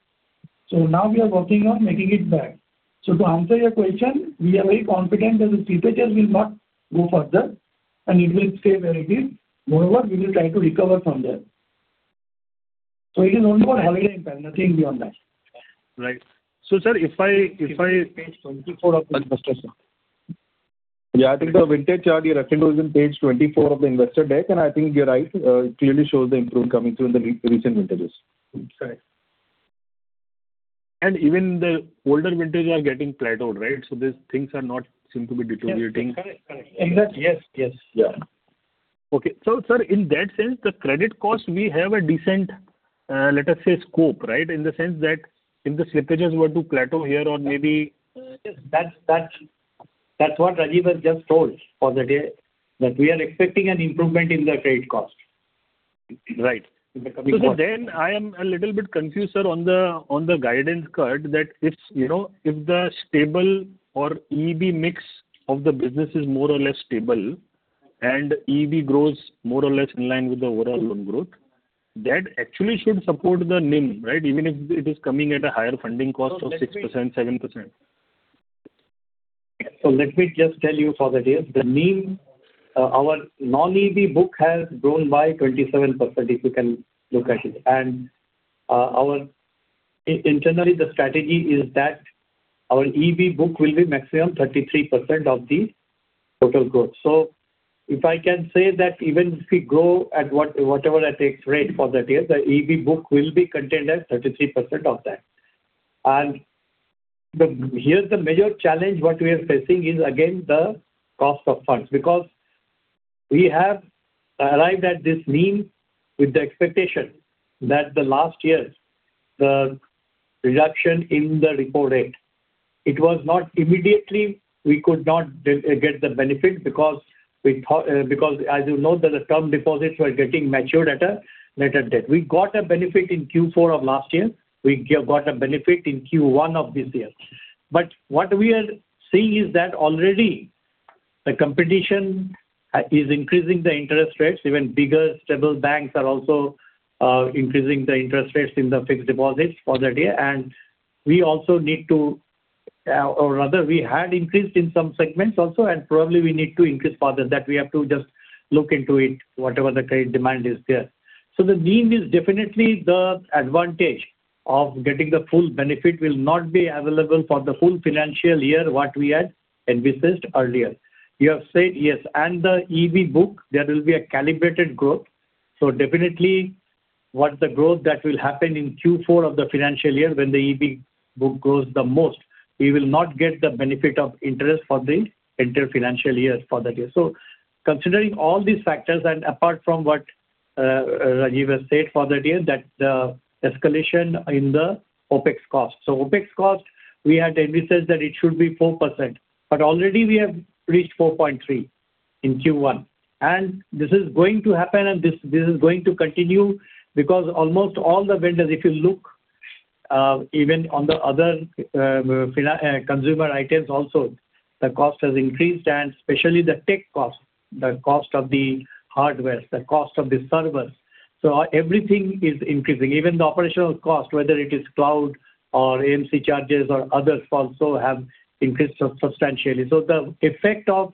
Now we are working on making it back. To answer your question, we are very confident that the slippages will not go further, and it will stay where it is. Moreover, we will try to recover from there. It is only about holiday impact, nothing beyond that. Right. It's page 24 of the investor deck. Yeah, I think the vintage chart you referred to is in page 24 of the investor deck. I think you're right. It clearly shows the improvement coming through in the recent vintages. Right. Even the older vintages are getting plateaued, right? These things are not seem to be deteriorating. Yes. Correct. In that, yes. Yeah. Okay. Sir, in that sense, the credit cost, we have a decent, let us say, scope, right? In the sense that if the slippages were to plateau here. Yes. That's what Rajeev has just told for the day, that we are expecting an improvement in the credit cost. Right. In the coming quarter. I am a little bit confused, sir, on the guidance card that if the stable or EEB mix of the business is more or less stable and EEB grows more or less in line with the overall loan growth, that actually should support the NIM, right? Even if it is coming at a higher funding cost of 6%, 7%. Let me just tell you for the day. Our non-EEB book has grown by 27%, if you can look at it. Internally, the strategy is that our EEB book will be maximum 33% of the total growth. If I can say that even if we grow at whatever that takes rate for the day, the EEB book will be contained at 33% of that. Here's the major challenge what we are facing is, again, the cost of funds. Because we have arrived at this mean with the expectation that the last years, the reduction in the repo rate, it was not immediate. We could not get the benefit because, as you know, the term deposits were getting matured at a later date. We got a benefit in Q4 of last year. We got a benefit in Q1 of this year. What we are seeing is that already the competition is increasing the interest rates. Even bigger, stable banks are also increasing the interest rates in the fixed deposits for that year. We also need to, we had increased in some segments also, and probably we need to increase further. That we have to just look into it, whatever the credit demand is there. The mean is definitely the advantage of getting the full benefit will not be available for the whole financial year, what we had envisaged earlier. You have said, yes, and the EEB book, there will be a calibrated growth. Definitely, what the growth that will happen in Q4 of the financial year when the EEB book grows the most, we will not get the benefit of interest for the entire financial year for that year. Considering all these factors, apart from what Rajeev has said for that year, that the escalation in the OpEx cost. OpEx cost, we had envisaged that it should be 4%, but already we have reached 4.3% in Q1. This is going to happen and this is going to continue because almost all the vendors, if you look even on the other consumer items also, the cost has increased, and especially the tech cost, the cost of the hardware, the cost of the servers. Everything is increasing, even the operational cost, whether it is cloud or AMC charges or others also have increased substantially. The effect of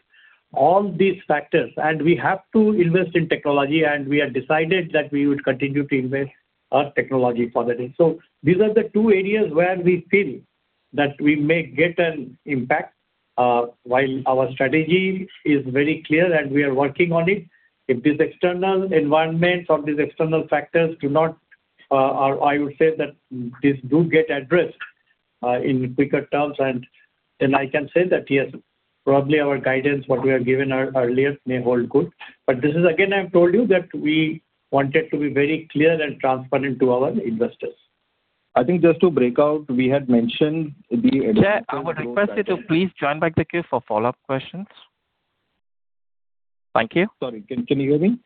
all these factors, we have to invest in technology, and we have decided that we would continue to invest our technology for that. These are the two areas where we feel that we may get an impact while our strategy is very clear and we are working on it. If this external environment or these external factors do not, these do get addressed in quicker terms, I can say that, yes, probably our guidance, what we have given earlier may hold good. This is, again, I have told you that we wanted to be very clear and transparent to our investors. I think just to break out, we had mentioned. Sir, I would request you to please join back the queue for follow-up questions. Thank you. Sorry. Can you hear me?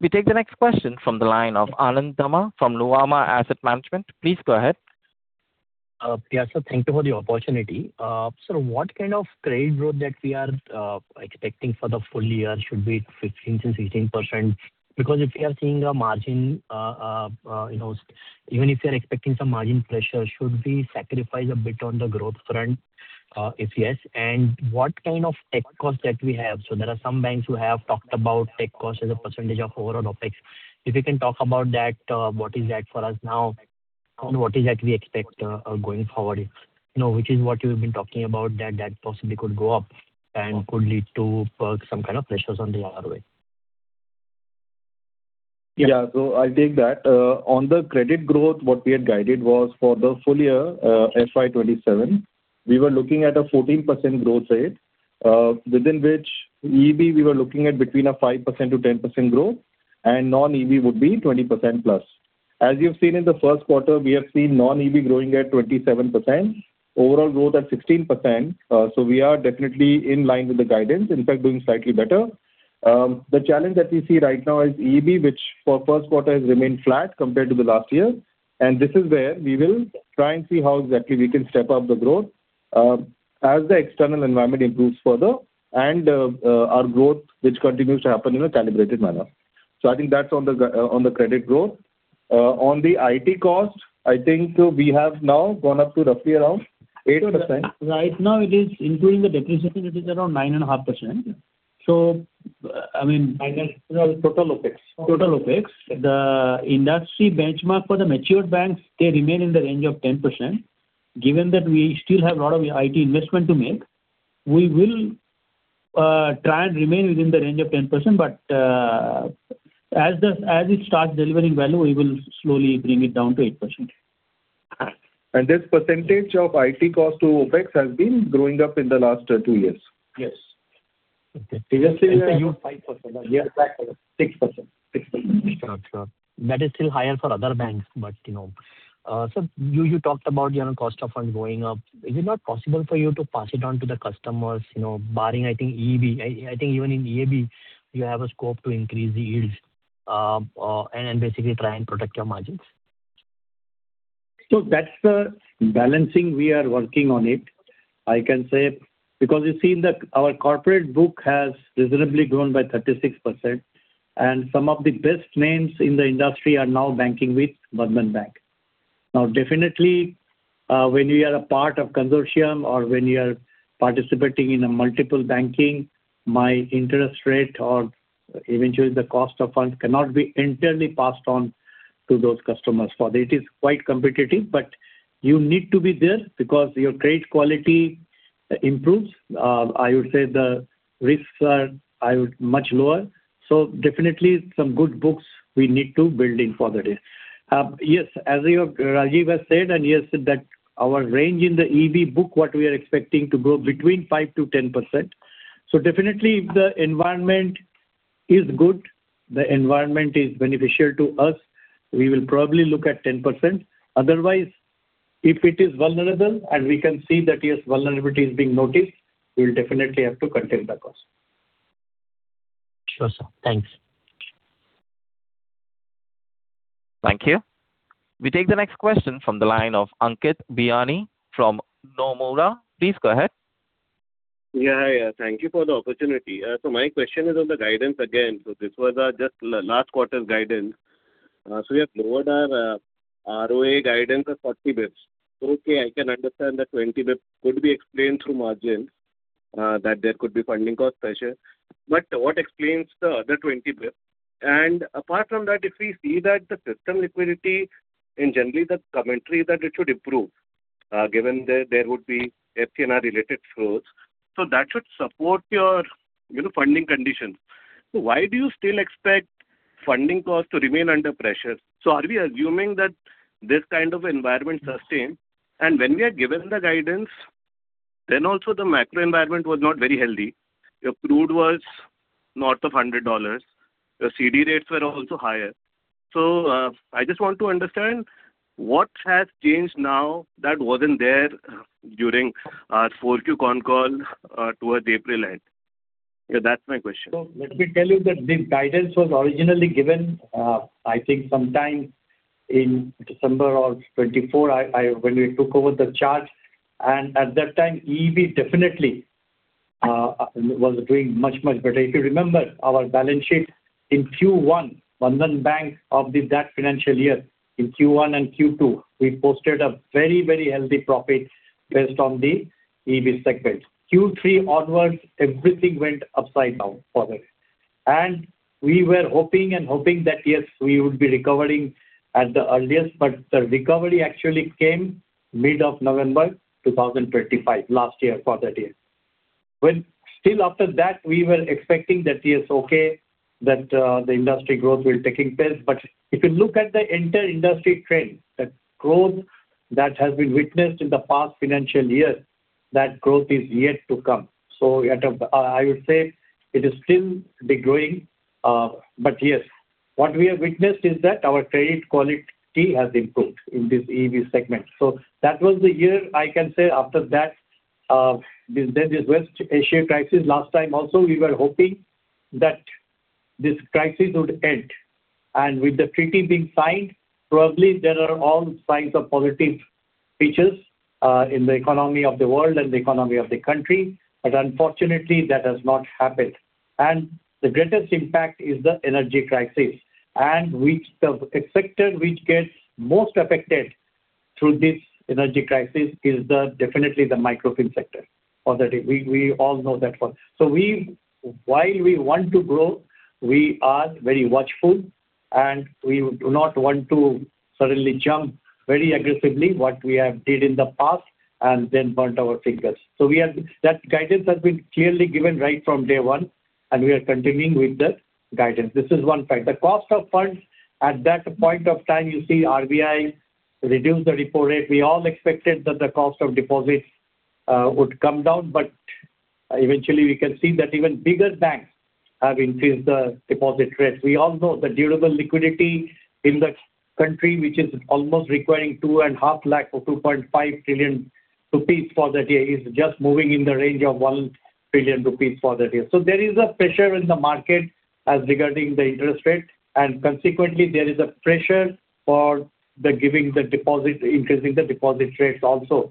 We take the next question from the line of Anand Dama from Nuvama Asset Management. Please go ahead. Sir, thank you for the opportunity. Sir, what kind of credit growth that we are expecting for the full year? Should be 15%-16%? If we are seeing a margin, even if you are expecting some margin pressure, should we sacrifice a bit on the growth front? If yes, what kind of tech cost that we have? There are some banks who have talked about tech cost as a percentage of overall OpEx. If you can talk about that, what is that for us now? What is that we expect going forward? Which is what you've been talking about that possibly could go up and could lead to some kind of pressures on the other way. I'll take that. On the credit growth, what we had guided was for the full year, fiscal year 2027, we were looking at a 14% growth rate, within which EB, we were looking at between a 5%-10% growth, and non-EB would be 20%+. As you've seen in the first quarter, we have seen non-EB growing at 27%, overall growth at 16%. We are definitely in line with the guidance, in fact, doing slightly better. The challenge that we see right now is EB, which for first quarter has remained flat compared to the last year. This is where we will try and see how exactly we can step up the growth as the external environment improves further and our growth, which continues to happen in a calibrated manner. I think that's on the credit growth. On the IT cost, I think we have now gone up to roughly around 8%. Right now it is including the depreciation, it is around 9.5%. I mean Total OpEx. Total OpEx. The industry benchmark for the matured banks, they remain in the range of 10%. Given that we still have a lot of IT investment to make, we will try and remain within the range of 10%, but as it starts delivering value, we will slowly bring it down to 8%. This percentage of IT cost to OpEx has been growing up in the last two years. Yes. Okay. Previously- It's at your 5%, right? Yeah. 5%. 6%. 6%. Got you. That is still higher for other banks. Sir, you talked about general cost of funds going up. Is it not possible for you to pass it on to the customers, barring, I think, EEB? I think even in EEB, you have a scope to increase the yields and basically try and protect your margins. That's the balancing. We are working on it. I can say, because you've seen that our corporate book has reasonably grown by 36%, and some of the best names in the industry are now banking with Bandhan Bank. Definitely, when you are a part of consortium or when you are participating in a multiple banking, my interest rate or eventually the cost of funds cannot be entirely passed on to those customers for that. It is quite competitive, but you need to be there because your credit quality improves. I would say the risks are much lower. Definitely some good books we need to build in for the day. Yes, as Rajeev has said, and he has said that our range in the EEB book, what we are expecting to grow between 5%-10%. Definitely, if the environment is good, the environment is beneficial to us, we will probably look at 10%. Otherwise, if it is vulnerable and we can see that, yes, vulnerability is being noticed, we will definitely have to contain the cost. Sure, sir. Thanks. Thank you. We take the next question from the line of Ankit Bihani from Nomura. Please go ahead. Yeah. Thank you for the opportunity. My question is on the guidance again. This was just last quarter's guidance. We have lowered our ROA guidance of 40 basis points. Okay, I can understand that 20 basis points could be explained through margin, that there could be funding cost pressure. What explains the other 20 basis points? Apart from that, if we see that the system liquidity in generally the commentary that it should improve, given that there would be FCNR-related flows, that should support your funding conditions. Why do you still expect funding costs to remain under pressure? Are we assuming that this kind of environment sustained? When we are given the guidance, then also the macro environment was not very healthy. Your crude was north of INR 100. Your CD rates were also higher. I just want to understand what has changed now that wasn't there during our 4Q con call towards April end. That's my question. Let me tell you that the guidance was originally given, I think sometime in December of 2024, when we took over the charge, at that time, EB definitely was doing much, much better. If you remember our balance sheet in Q1, Bandhan Bank of that financial year, in Q1 and Q2, we posted a very healthy profit based on the EB segment. Q3 onwards, everything went upside down for that. We were hoping and hoping that, yes, we would be recovering at the earliest, but the recovery actually came mid of November 2025, last year for that year. Still after that, we were expecting that, yes, okay, that the industry growth will taking place. If you look at the entire industry trend, the growth that has been witnessed in the past financial year, that growth is yet to come. I would say it is still growing. Yes, what we have witnessed is that our credit quality has improved in this EB segment. That was the year I can say after that, then this West Asia crisis last time also, we were hoping that this crisis would end. With the treaty being signed, probably there are all signs of positive features in the economy of the world and the economy of the country, but unfortunately that has not happened. The greatest impact is the energy crisis. The sector which gets most affected through this energy crisis is definitely the microfinance sector. We all know that one. While we want to grow, we are very watchful and we do not want to suddenly jump very aggressively what we did in the past and then burnt our fingers. That guidance has been clearly given right from day one and we are continuing with the guidance. This is one fact. The cost of funds at that point of time, you see RBI reduce the repo rate. We all expected that the cost of deposits would come down, eventually we can see that even bigger banks have increased the deposit rates. We all know the durable liquidity in the country, which is almost requiring 2.5 Lakh or 2.5 trillion rupees for that year, is just moving in the range of 1 trillion rupees for that year. There is a pressure in the market as regarding the interest rate, and consequently there is a pressure for increasing the deposit rates also.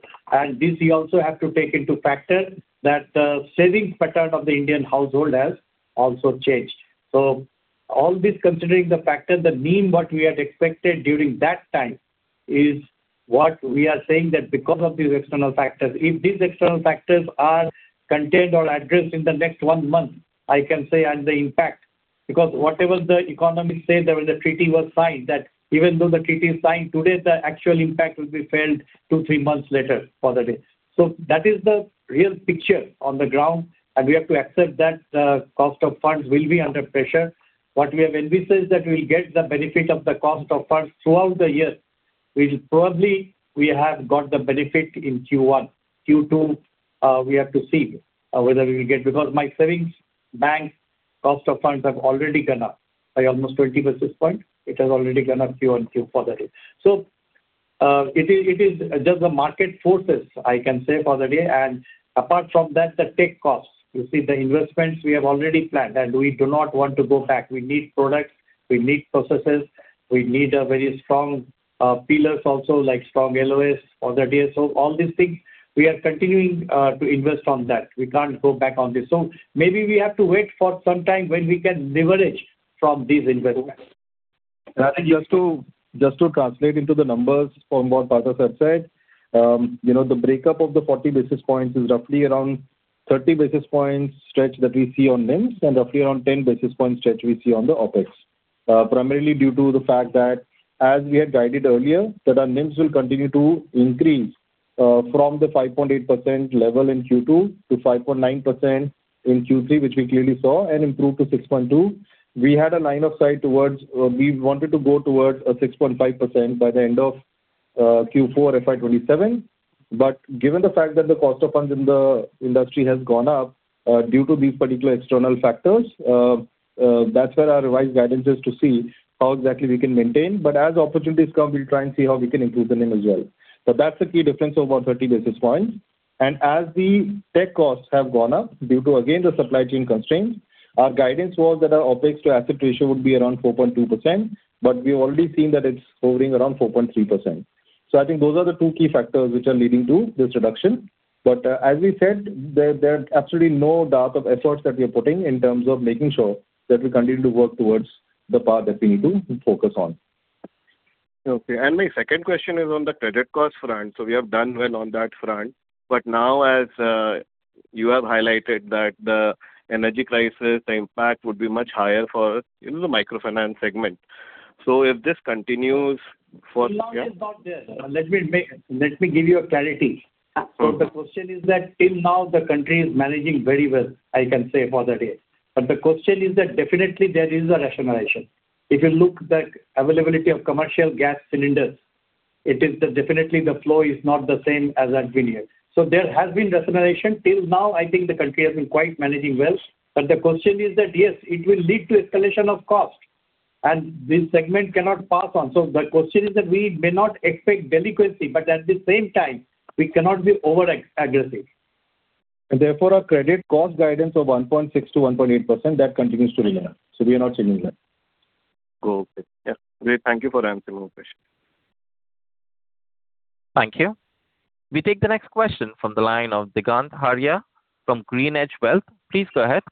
This you also have to take into factor that the savings pattern of the Indian household has also changed. All this considering the factor that mean what we had expected during that time is what we are saying that because of these external factors, if these external factors are contained or addressed in the next one month, I can say and the impact, because whatever the economics say, there is a treaty was signed that even though the treaty is signed today, the actual impact will be felt two, three months later for the day. That is the real picture on the ground, and we have to accept that the cost of funds will be under pressure. What we have envisaged that we'll get the benefit of the cost of funds throughout the year, which probably we have got the benefit in Q1. Q2, we have to see whether we will get, because my savings bank cost of funds have already gone up by almost 20 basis points. It has already gone up Q on Q for that year. It is just the market forces I can say for the day and apart from that, the tech costs. The investments we have already planned and we do not want to go back. We need products, we need processes, we need a very strong pillars also like strong LOS for the DSO, all these things we are continuing to invest on that. We can't go back on this. Maybe we have to wait for some time when we can leverage from these investments. Rajeev, just to translate into the numbers from what Partha sir said, the breakup of the 40 basis points is roughly around 30 basis points stretch that we see on NIMs and roughly around 10 basis points stretch we see on the OpEx. Primarily due to the fact that, as we had guided earlier, that our NIMs will continue to increase from the 5.8% level in Q2 to 5.9% in Q3, which we clearly saw, and improve to 6.2%. We had a line of sight towards, we wanted to go towards a 6.5% by the end of Q4 fiscal year 2027. Given the fact that the cost of funds in the industry has gone up due to these particular external factors, that's where our revised guidance is to see how exactly we can maintain. As opportunities come, we'll try and see how we can improve the NIM as well. That's the key difference of our 30 basis points. As the tech costs have gone up due to, again, the supply chain constraints, our guidance was that our OPEX to asset ratio would be around 4.2%. We've already seen that it's hovering around 4.3%. I think those are the two key factors which are leading to this reduction. As we said, there are absolutely no dearth of efforts that we are putting in terms of making sure that we continue to work towards the path that we need to focus on. My second question is on the credit cost front. We have done well on that front. Now, as you have highlighted that the energy crisis, the impact would be much higher for the microfinance segment. If this continues for- Till now it's not there. Let me give you a clarity. Okay. The question is that till now the country is managing very well, I can say for that year. The question is that definitely there is a rationalization. If you look the availability of commercial gas cylinders, it is definitely the flow is not the same as had been here. There has been rationalization. Till now, I think the country has been quite managing well. The question is that, yes, it will lead to escalation of cost, and this segment cannot pass on. The question is that we may not expect delinquency, but at the same time, we cannot be over-aggressive. Therefore, our credit cost guidance of 1.6%-1.8%, that continues to remain. We are not changing that. Okay. Yeah. Great. Thank you for answering my question. Thank you. We take the next question from the line of Digant Haria from GreenEdge Wealth. Please go ahead.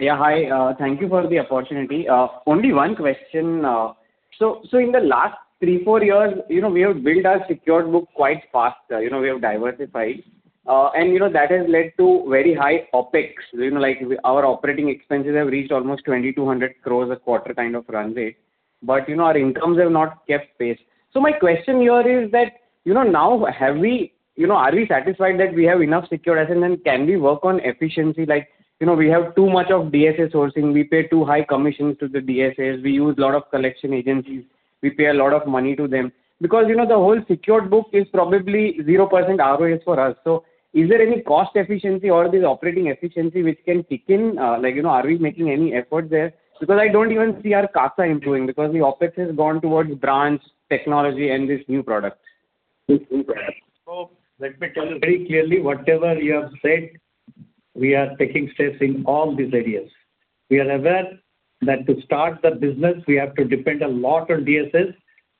Yeah, hi. Thank you for the opportunity. Only one question. In the last three, four years, we have built our secured book quite fast. We have diversified. That has led to very high OPEX. Our operating expenses have reached almost 2,200 crore a quarter kind of run rate. Our incomes have not kept pace. My question here is that now are we satisfied that we have enough secured assets, and can we work on efficiency? We have too much of DSA sourcing. We pay too high commissions to the DSAs. We use lot of collection agencies. We pay a lot of money to them. The whole secured book is probably 0% ROA for us. Is there any cost efficiency or this operating efficiency which can kick in? Are we making any effort there? I don't even see our CASA improving, because the OPEX has gone towards branch, technology, and these new products. Let me tell you very clearly, whatever you have said, we are taking steps in all these areas. We are aware that to start the business, we have to depend a lot on DSAs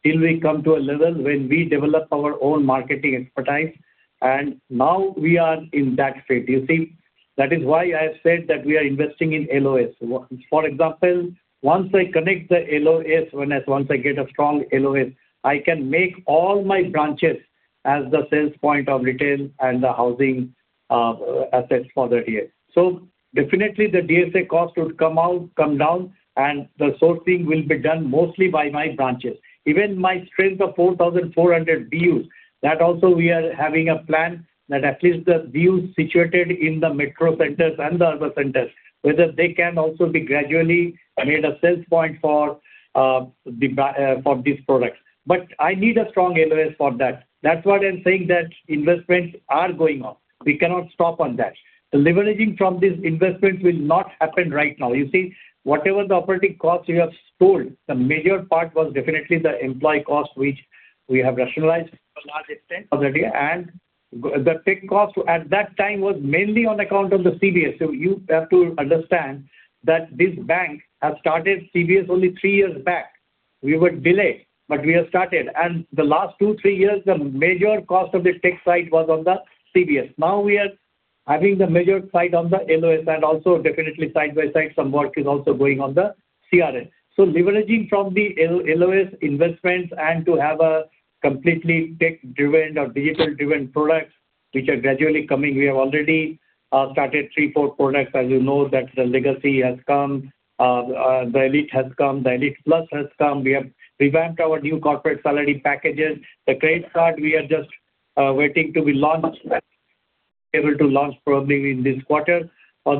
till we come to a level when we develop our own marketing expertise, and now we are in that phase. That is why I said that we are investing in LOS. For example, once I connect the LOS, once I get a strong LOS, I can make all my branches as the sales point of retail and the housing assets for that year. Definitely the DSA cost would come down, and the sourcing will be done mostly by my branches. Even my strength of 4,400 BUs, that also we are having a plan that at least the BUs situated in the metro centers and the urban centers, whether they can also be gradually made a sales point for these products. I need a strong LOS for that. That's what I'm saying that investments are going on. We cannot stop on that. The leveraging from these investments will not happen right now. Whatever the operating cost we have stored, the major part was definitely the employee cost, which we have rationalized to a large extent already. The tech cost at that time was mainly on account of the CBS. You have to understand that this bank has started CBS only three years back. We were delayed, but we have started. The last two, three years, the major cost of the tech side was on the CBS. Now we are having the major side on the LOS and also definitely side by side, some work is also going on the CRS. Leveraging from the LOS investments and to have a completely tech-driven or digital-driven products, which are gradually coming. We have already started three, four products. As you know that the Legacy has come, the Elite has come, the Elite Plus has come. We have revamped our new corporate salary packages. The credit card, we are just waiting to be launched. We are able to launch probably in this quarter. All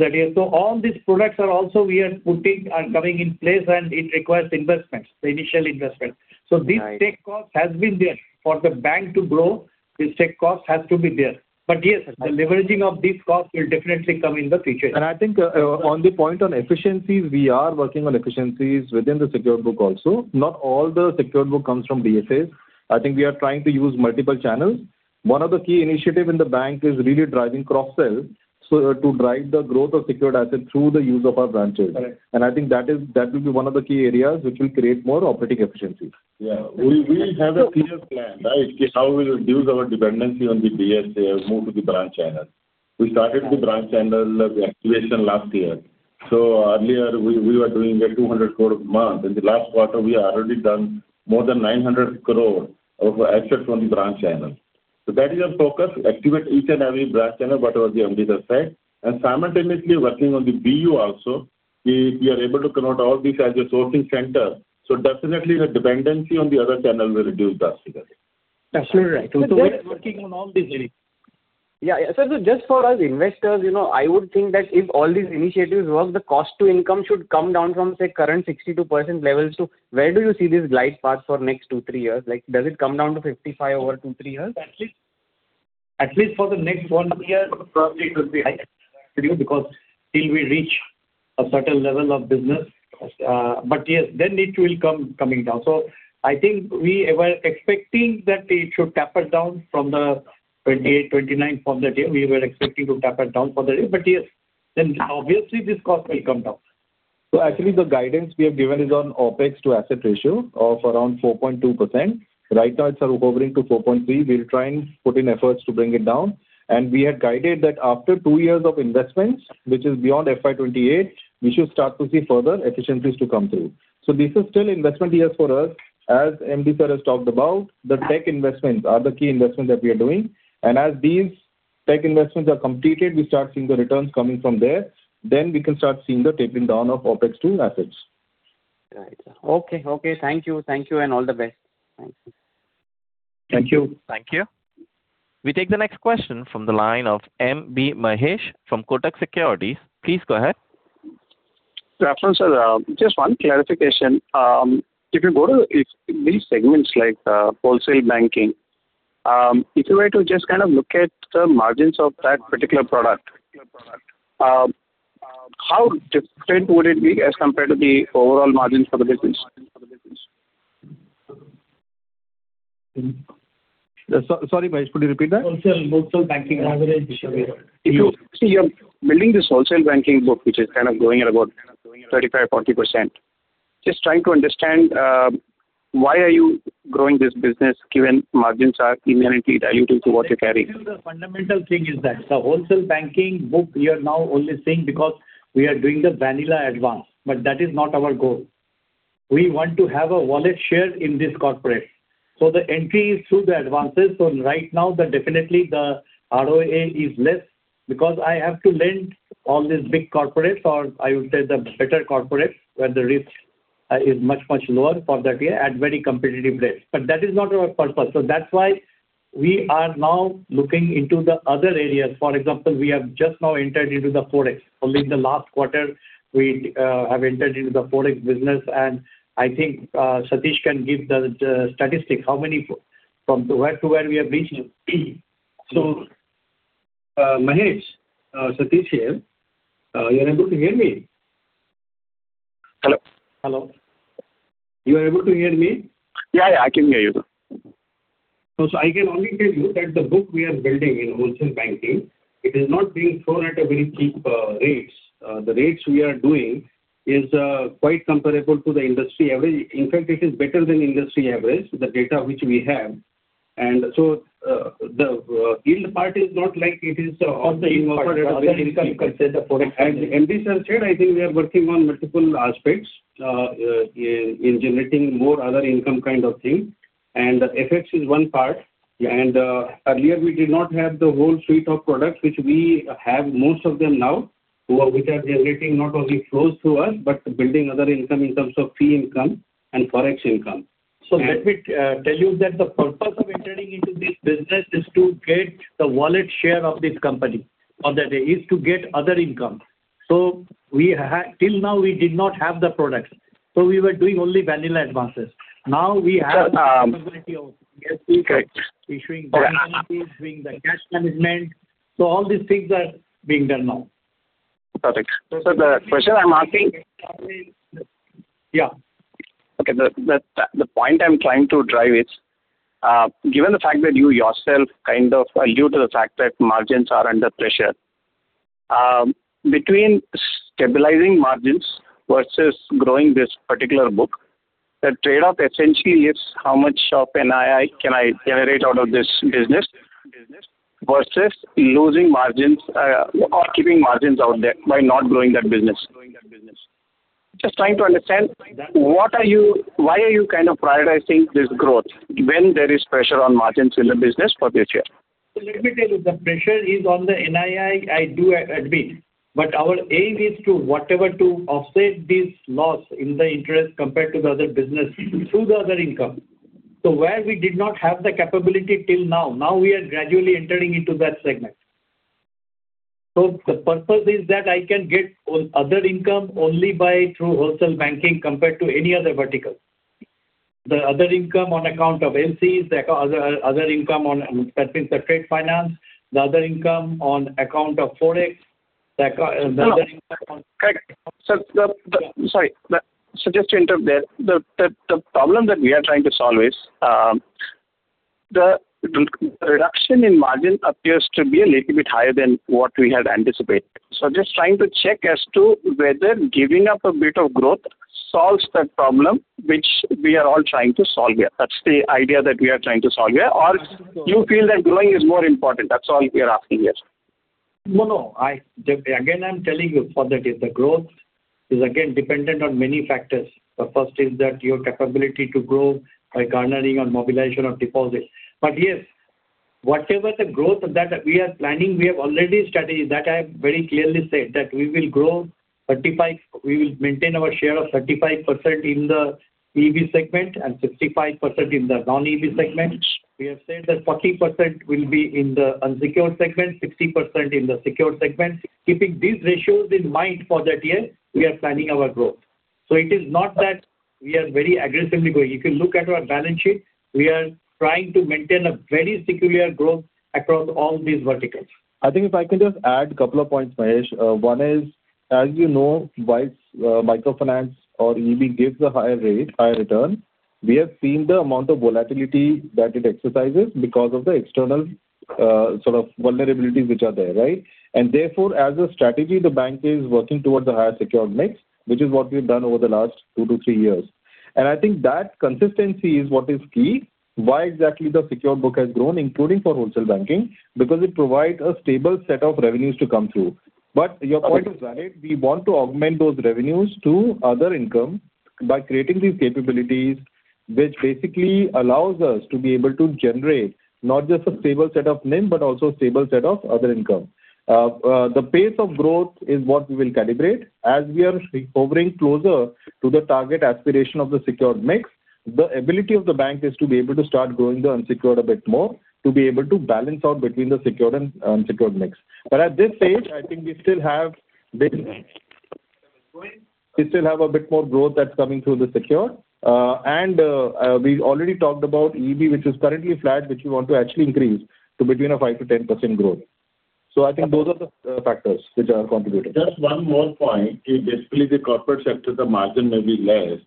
these products are also we are putting are coming in place, and it requires investments, the initial investment. Right. This tech cost has been there. For the bank to grow, this tech cost has to be there. Yes, the leveraging of this cost will definitely come in the future. I think on the point on efficiencies, we are working on efficiencies within the secured book also. Not all the secured book comes from DSAs. I think we are trying to use multiple channels. One of the key initiative in the bank is really driving cross-sell, so to drive the growth of secured assets through the use of our branches. Correct. I think that will be one of the key areas which will create more operating efficiencies. Yeah. We have a clear plan, right? How we will reduce our dependency on the DSA and move to the branch channel. We started the branch channel activation last year. Earlier, we were doing 200 crore a month. In the last quarter, we have already done more than 900 crore of assets from the branch channel. That is our focus, activate each and every branch and whatever the MD has said, simultaneously working on the BU also. We are able to connect all these as a sourcing center, definitely the dependency on the other channel will reduce drastically. Absolutely right. We are working on all these areas. Yeah. Just for us investors, I would think that if all these initiatives work, the cost to income should come down from, say, current 62% levels to, where do you see this glide path for next two, three years? Does it come down to 55% over two, three years? At least for the next one year, probably it will be high because till we reach a certain level of business. Yes, then it will coming down. I think we were expecting that it should taper down from the 2028, 2029, from that year, we were expecting to taper down from there, but yes, then obviously this cost will come down. Actually, the guidance we have given is on OPEX to asset ratio of around 4.2%. Right now, it's hovering to 4.3%. We'll try and put in efforts to bring it down. We had guided that after two years of investments, which is beyond fiscal year 2028, we should start to see further efficiencies to come through. This is still investment years for us. As MD sir has talked about, the tech investments are the key investment that we are doing. As these tech investments are completed, we start seeing the returns coming from there, then we can start seeing the tapering down of OPEX to assets. Right. Okay. Thank you, and all the best. Thank you. Thank you. Thank you. We take the next question from the line of Mahesh Balasubramanian from Kotak Securities. Please go ahead. Good afternoon, sir. Just one clarification. If you go to these segments, like wholesale banking, if you were to just kind of look at the margins of that particular product, how different would it be as compared to the overall margins for the business? Sorry, Mahesh, could you repeat that? Wholesale banking average. See, you're building this wholesale banking book, which is kind of growing at about 35%, 40%. Just trying to understand, why are you growing this business given margins are inherently diluting to what you're carrying. The fundamental thing is that the wholesale banking book, we are now only seeing because we are doing the vanilla advance, that is not our goal. We want to have a wallet share in this corporate. The entry is through the advances. Right now, definitely the ROA is less because I have to lend on these big corporates, or I would say the better corporates where the risk is much, much lower for that year at very competitive rates. That is not our purpose. That is why we are now looking into the other areas. For example, we have just now entered into the Forex. Only in the last quarter, we have entered into the Forex business, and I think Satish can give the statistics, from where to where we are reaching. Mahesh, Satish here. You are able to hear me? Hello. Hello. You are able to hear me? Yeah. I can hear you. I can only tell you that the book we are building in wholesale banking, it is not being thrown at very cheap rates. The rates we are doing is quite comparable to the industry average. In fact, it is better than industry average, the data which we have. The yield part is not like it is off the income part. As Managing Director sir said, I think we are working on multiple aspects in generating more other income kind of thing, and the FX is one part. Earlier we did not have the whole suite of products, which we have most of them now, which are generating not only flows to us, but building other income in terms of fee income and Forex income. Let me tell you that the purpose of entering into this business is to get the wallet share of this company, or that is to get other income. Till now we did not have the products, so we were doing only vanilla advances. Now we have- Sir- capability of issuing- Correct doing the cash management. All these things are being done now. Perfect. The question I'm asking- Yeah. Okay, the point I am trying to drive is, given the fact that you yourself kind of allude to the fact that margins are under pressure. Between stabilizing margins versus growing this particular book, the trade-off essentially is how much NII can I generate out of this business versus losing margins or keeping margins out there by not growing that business. Just trying to understand why are you kind of prioritizing this growth when there is pressure on margins in the business for this year? Let me tell you, the pressure is on the NII, I do admit. Our aim is to whatever to offset this loss in the interest compared to the other business through the other income. Where we did not have the capability till now we are gradually entering into that segment. The purpose is that I can get other income only by through Wholesale Banking compared to any other vertical. The other income on account of MCs, the other income on trade finance, the other income on account of Forex. No. Correct. Sorry. Just to interrupt there. The problem that we are trying to solve is, the reduction in margin appears to be a little bit higher than what we had anticipated. Just trying to check as to whether giving up a bit of growth solves that problem, which we are all trying to solve here. That's the idea that we are trying to solve here, or you feel that growing is more important. That's all we are asking here. No. Again, I am telling you for that is the growth is again dependent on many factors. The first is that your capability to grow by garnering on mobilization of deposits. Yes, whatever the growth that we are planning, we have already studied that. I very clearly said that we will maintain our share of 35% in the EB segment and 65% in the non-EB segment. We have said that 40% will be in the unsecured segment, 60% in the secured segment. Keeping these ratios in mind for that year, we are planning our growth. It is not that we are very aggressively growing. You can look at our balance sheet. We are trying to maintain a very secular growth across all these verticals. I think if I can just add a couple of points, Mahesh. One is, as you know, whilst microfinance or EEB gives a higher rate, higher return, we have seen the amount of volatility that it exercises because of the external sort of vulnerabilities which are there, right? Therefore, as a strategy, the bank is working towards a higher secured mix, which is what we've done over the last two to three years. I think that consistency is what is key. Why exactly the secured book has grown, including for wholesale banking, because it provides a stable set of revenues to come through. Your point is valid. We want to augment those revenues to other income by creating these capabilities, which basically allows us to be able to generate not just a stable set of NIM, but also a stable set of other income. The pace of growth is what we will calibrate. As we are hovering closer to the target aspiration of the secured mix, the ability of the bank is to be able to start growing the unsecured a bit more, to be able to balance out between the secured and unsecured mix. At this stage, I think we still have a bit more growth that's coming through the secured. We already talked about EEB, which is currently flat, which we want to actually increase to between a 5%-10% growth. I think those are the factors which are contributing. Just one more point. Basically, the corporate sector, the margin may be less,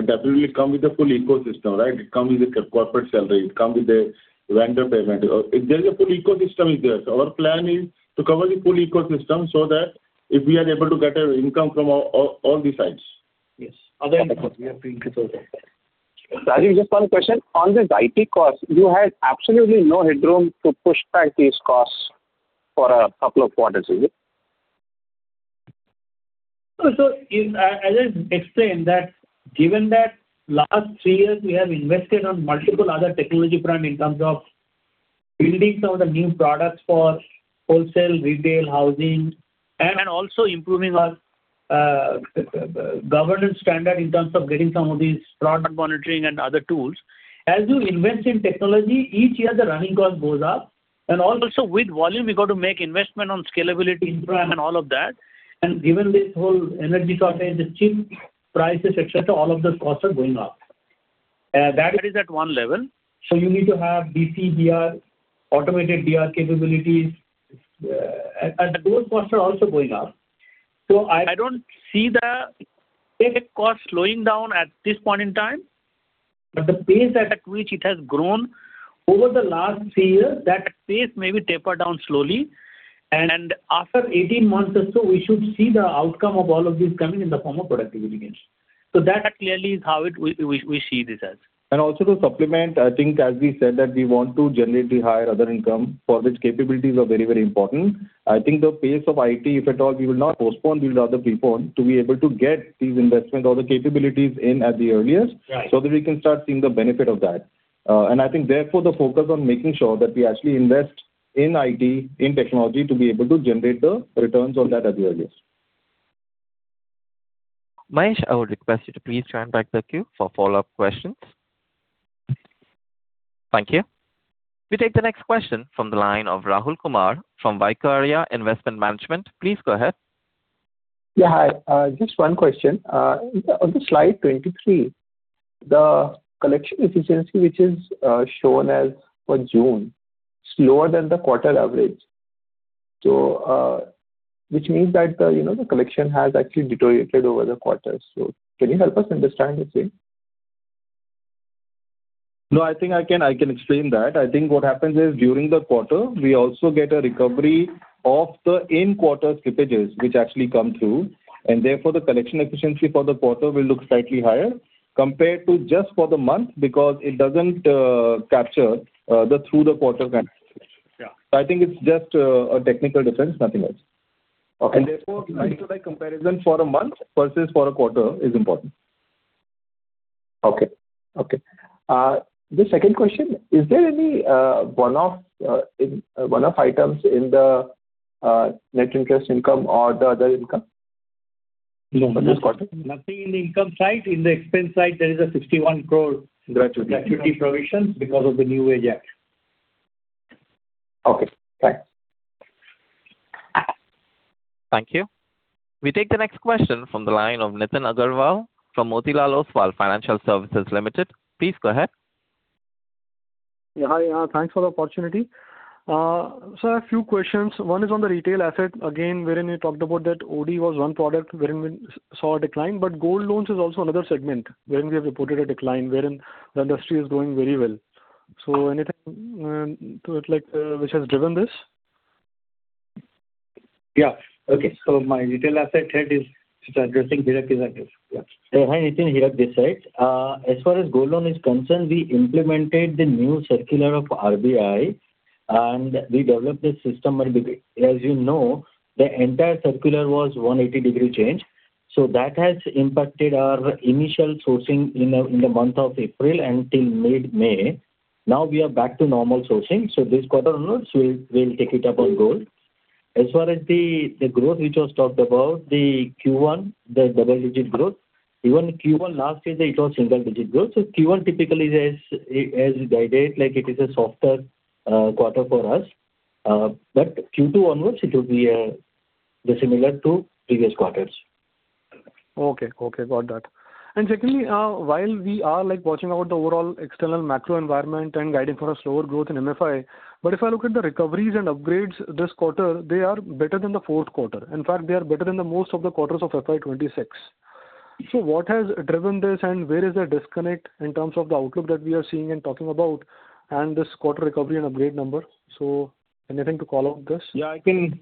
but definitely it come with a full ecosystem, right? It come with a corporate salary, it come with a vendor payment. There's a full ecosystem in there. Our plan is to cover the full ecosystem so that if we are able to get our income from all these sides. Yes. Other input we have to include as well. Rajeev, just one question. On this IT cost, you had absolutely no headroom to push back these costs for a couple of quarters, is it? As I explained that given that last three years, we have invested on multiple other technology front in terms of building some of the new products for wholesale, retail, housing, and also improving our governance standard in terms of getting some of these product monitoring and other tools. As you invest in technology, each year the running cost goes up. Also with volume, we got to make investment on scalability, infra, and all of that. Given this whole energy shortage, the chip prices, et cetera, all of those costs are going up. That is at one level. You need to have DC DR, automated DR capabilities, and those costs are also going up. I don't see the tech cost slowing down at this point in time. The pace at which it has grown over the last three years, that pace may be taper down slowly. After 18 months or so, we should see the outcome of all of this coming in the form of productivity gains. That clearly is how we see this as. Also to supplement, I think as we said that we want to generate the higher other income for which capabilities are very important. I think the pace of IT, if at all, we will not postpone, we will rather prepone to be able to get these investments or the capabilities in at the earliest. Right That we can start seeing the benefit of that. I think therefore, the focus on making sure that we actually invest in IT, in technology to be able to generate the returns on that at the earliest. Mahesh, I would request you to please join back the queue for follow-up questions. Thank you. We take the next question from the line of Rahul Kumar from Vaikarya Investment Management. Please go ahead. Yeah. Hi. Just one question. On the slide 23, the collection efficiency, which is shown as for June, slower than the quarter average. Which means that the collection has actually deteriorated over the quarter. Can you help us understand the same? No, I think I can explain that. I think what happens is during the quarter, we also get a recovery of the in-quarter slippages which actually come through, and therefore the collection efficiency for the quarter will look slightly higher compared to just for the month because it doesn't capture through the quarter kind of slippage. Yeah. I think it's just a technical difference, nothing else. Okay. Therefore, I feel like comparison for a month versus for a quarter is important. Okay. The second question, is there any one-off items in the net interest income or the other income for this quarter? No. Nothing in the income side. In the expense side, there is a 61 crore- Gratuity gratuity provisions because of the new wage code. Okay, thanks. Thank you. We take the next question from the line of Nitin Aggarwal from Motilal Oswal Financial Services Limited. Please go ahead. Yeah. Hi. Thanks for the opportunity. Sir, a few questions. One is on the retail asset, again, wherein you talked about that OD was one product wherein we saw a decline, but gold loans is also another segment wherein we have reported a decline, wherein the industry is doing very well. Anything to it which has driven this? Yeah. Okay. My retail asset head is addressing Hirak's question. Yeah. Hi, Nitin. Hirak Joshi. As far as gold loan is concerned, we implemented the new circular of RBI, and we developed the system. As you know, the entire circular was 180-degree change, so that has impacted our initial sourcing in the month of April until mid-May. Now we are back to normal sourcing, so this quarter onwards, we'll take it up on board. As far as the growth which was talked about, the Q1, the double-digit growth. Even Q1 last year, it was single-digit growth. Q1 typically is, as guided, it is a softer quarter for us. But Q2 onwards it will be similar to previous quarters. Okay. Got that. Secondly, while we are watching out the overall external macro environment and guiding for a slower growth in MFI, if I look at the recoveries and upgrades this quarter, they are better than the fourth quarter. In fact, they are better than the most of the quarters of FY 2026. What has driven this and where is the disconnect in terms of the outlook that we are seeing and talking about, and this quarter recovery and upgrade number? Anything to call out this? Yeah, I can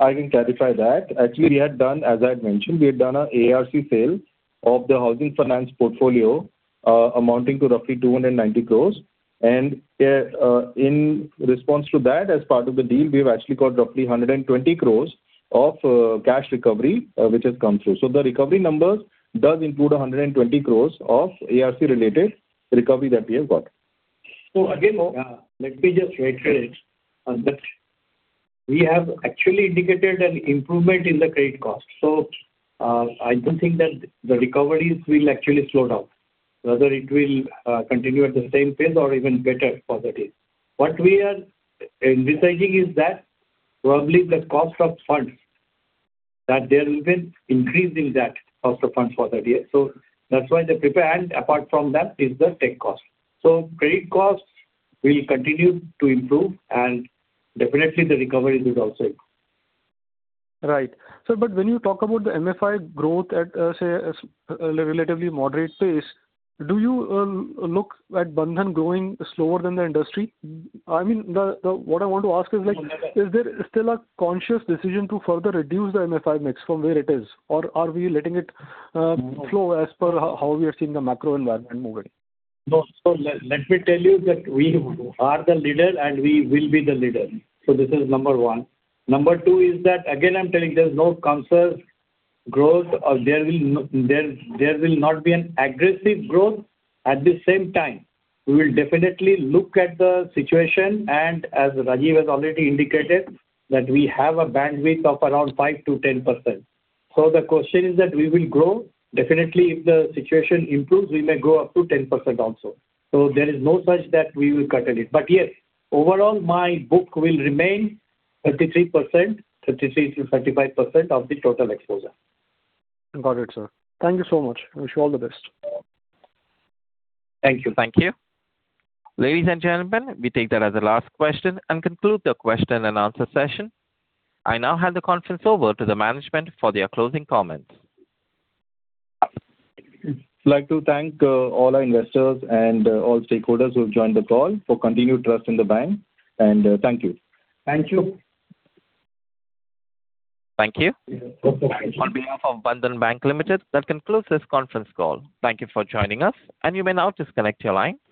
clarify that. Actually, as I had mentioned, we had done an ARC sale of the housing finance portfolio amounting to roughly 290 crores. And in response to that, as part of the deal, we have actually got roughly 120 crores of cash recovery which has come through. The recovery numbers does include 120 crores of ARC-related recovery that we have got. Again, let me just reiterate on that. We have actually indicated an improvement in the credit cost. I don't think that the recoveries will actually slow down, whether it will continue at the same pace or even better positive. What we are envisaging is that probably the cost of funds, there will be an increase in that cost of funds for that year. That's why the prepared, apart from that, is the tech cost. Credit cost will continue to improve and definitely the recovery will also improve. Right. Sir, when you talk about the MFI growth at a, say, relatively moderate pace, do you look at Bandhan growing slower than the industry? I mean, what I want to ask is like No Is there still a conscious decision to further reduce the MFI mix from where it is? Are we letting it flow as per how we are seeing the macro environment moving? No. Let me tell you that we are the leader and we will be the leader. This is number one. Number two is that, again, I'm telling there's no conscious growth. There will not be an aggressive growth. At the same time, we will definitely look at the situation and as Rajeev has already indicated, that we have a bandwidth of around 5%-10%. The question is that we will grow. Definitely, if the situation improves, we may grow up to 10% also. There is no such that we will curtail it. Yes, overall my book will remain 33%-35% of the total exposure. Got it, sir. Thank you so much. Wish you all the best. Thank you. Thank you. Ladies and gentlemen, we take that as the last question and conclude the question and answer session. I now hand the conference over to the management for their closing comments. We would like to thank all our investors and all stakeholders who have joined the call, for continued trust in the bank, and thank you. Thank you. Thank you. On behalf of Bandhan Bank Limited, that concludes this conference call. Thank you for joining us, you may now disconnect your line.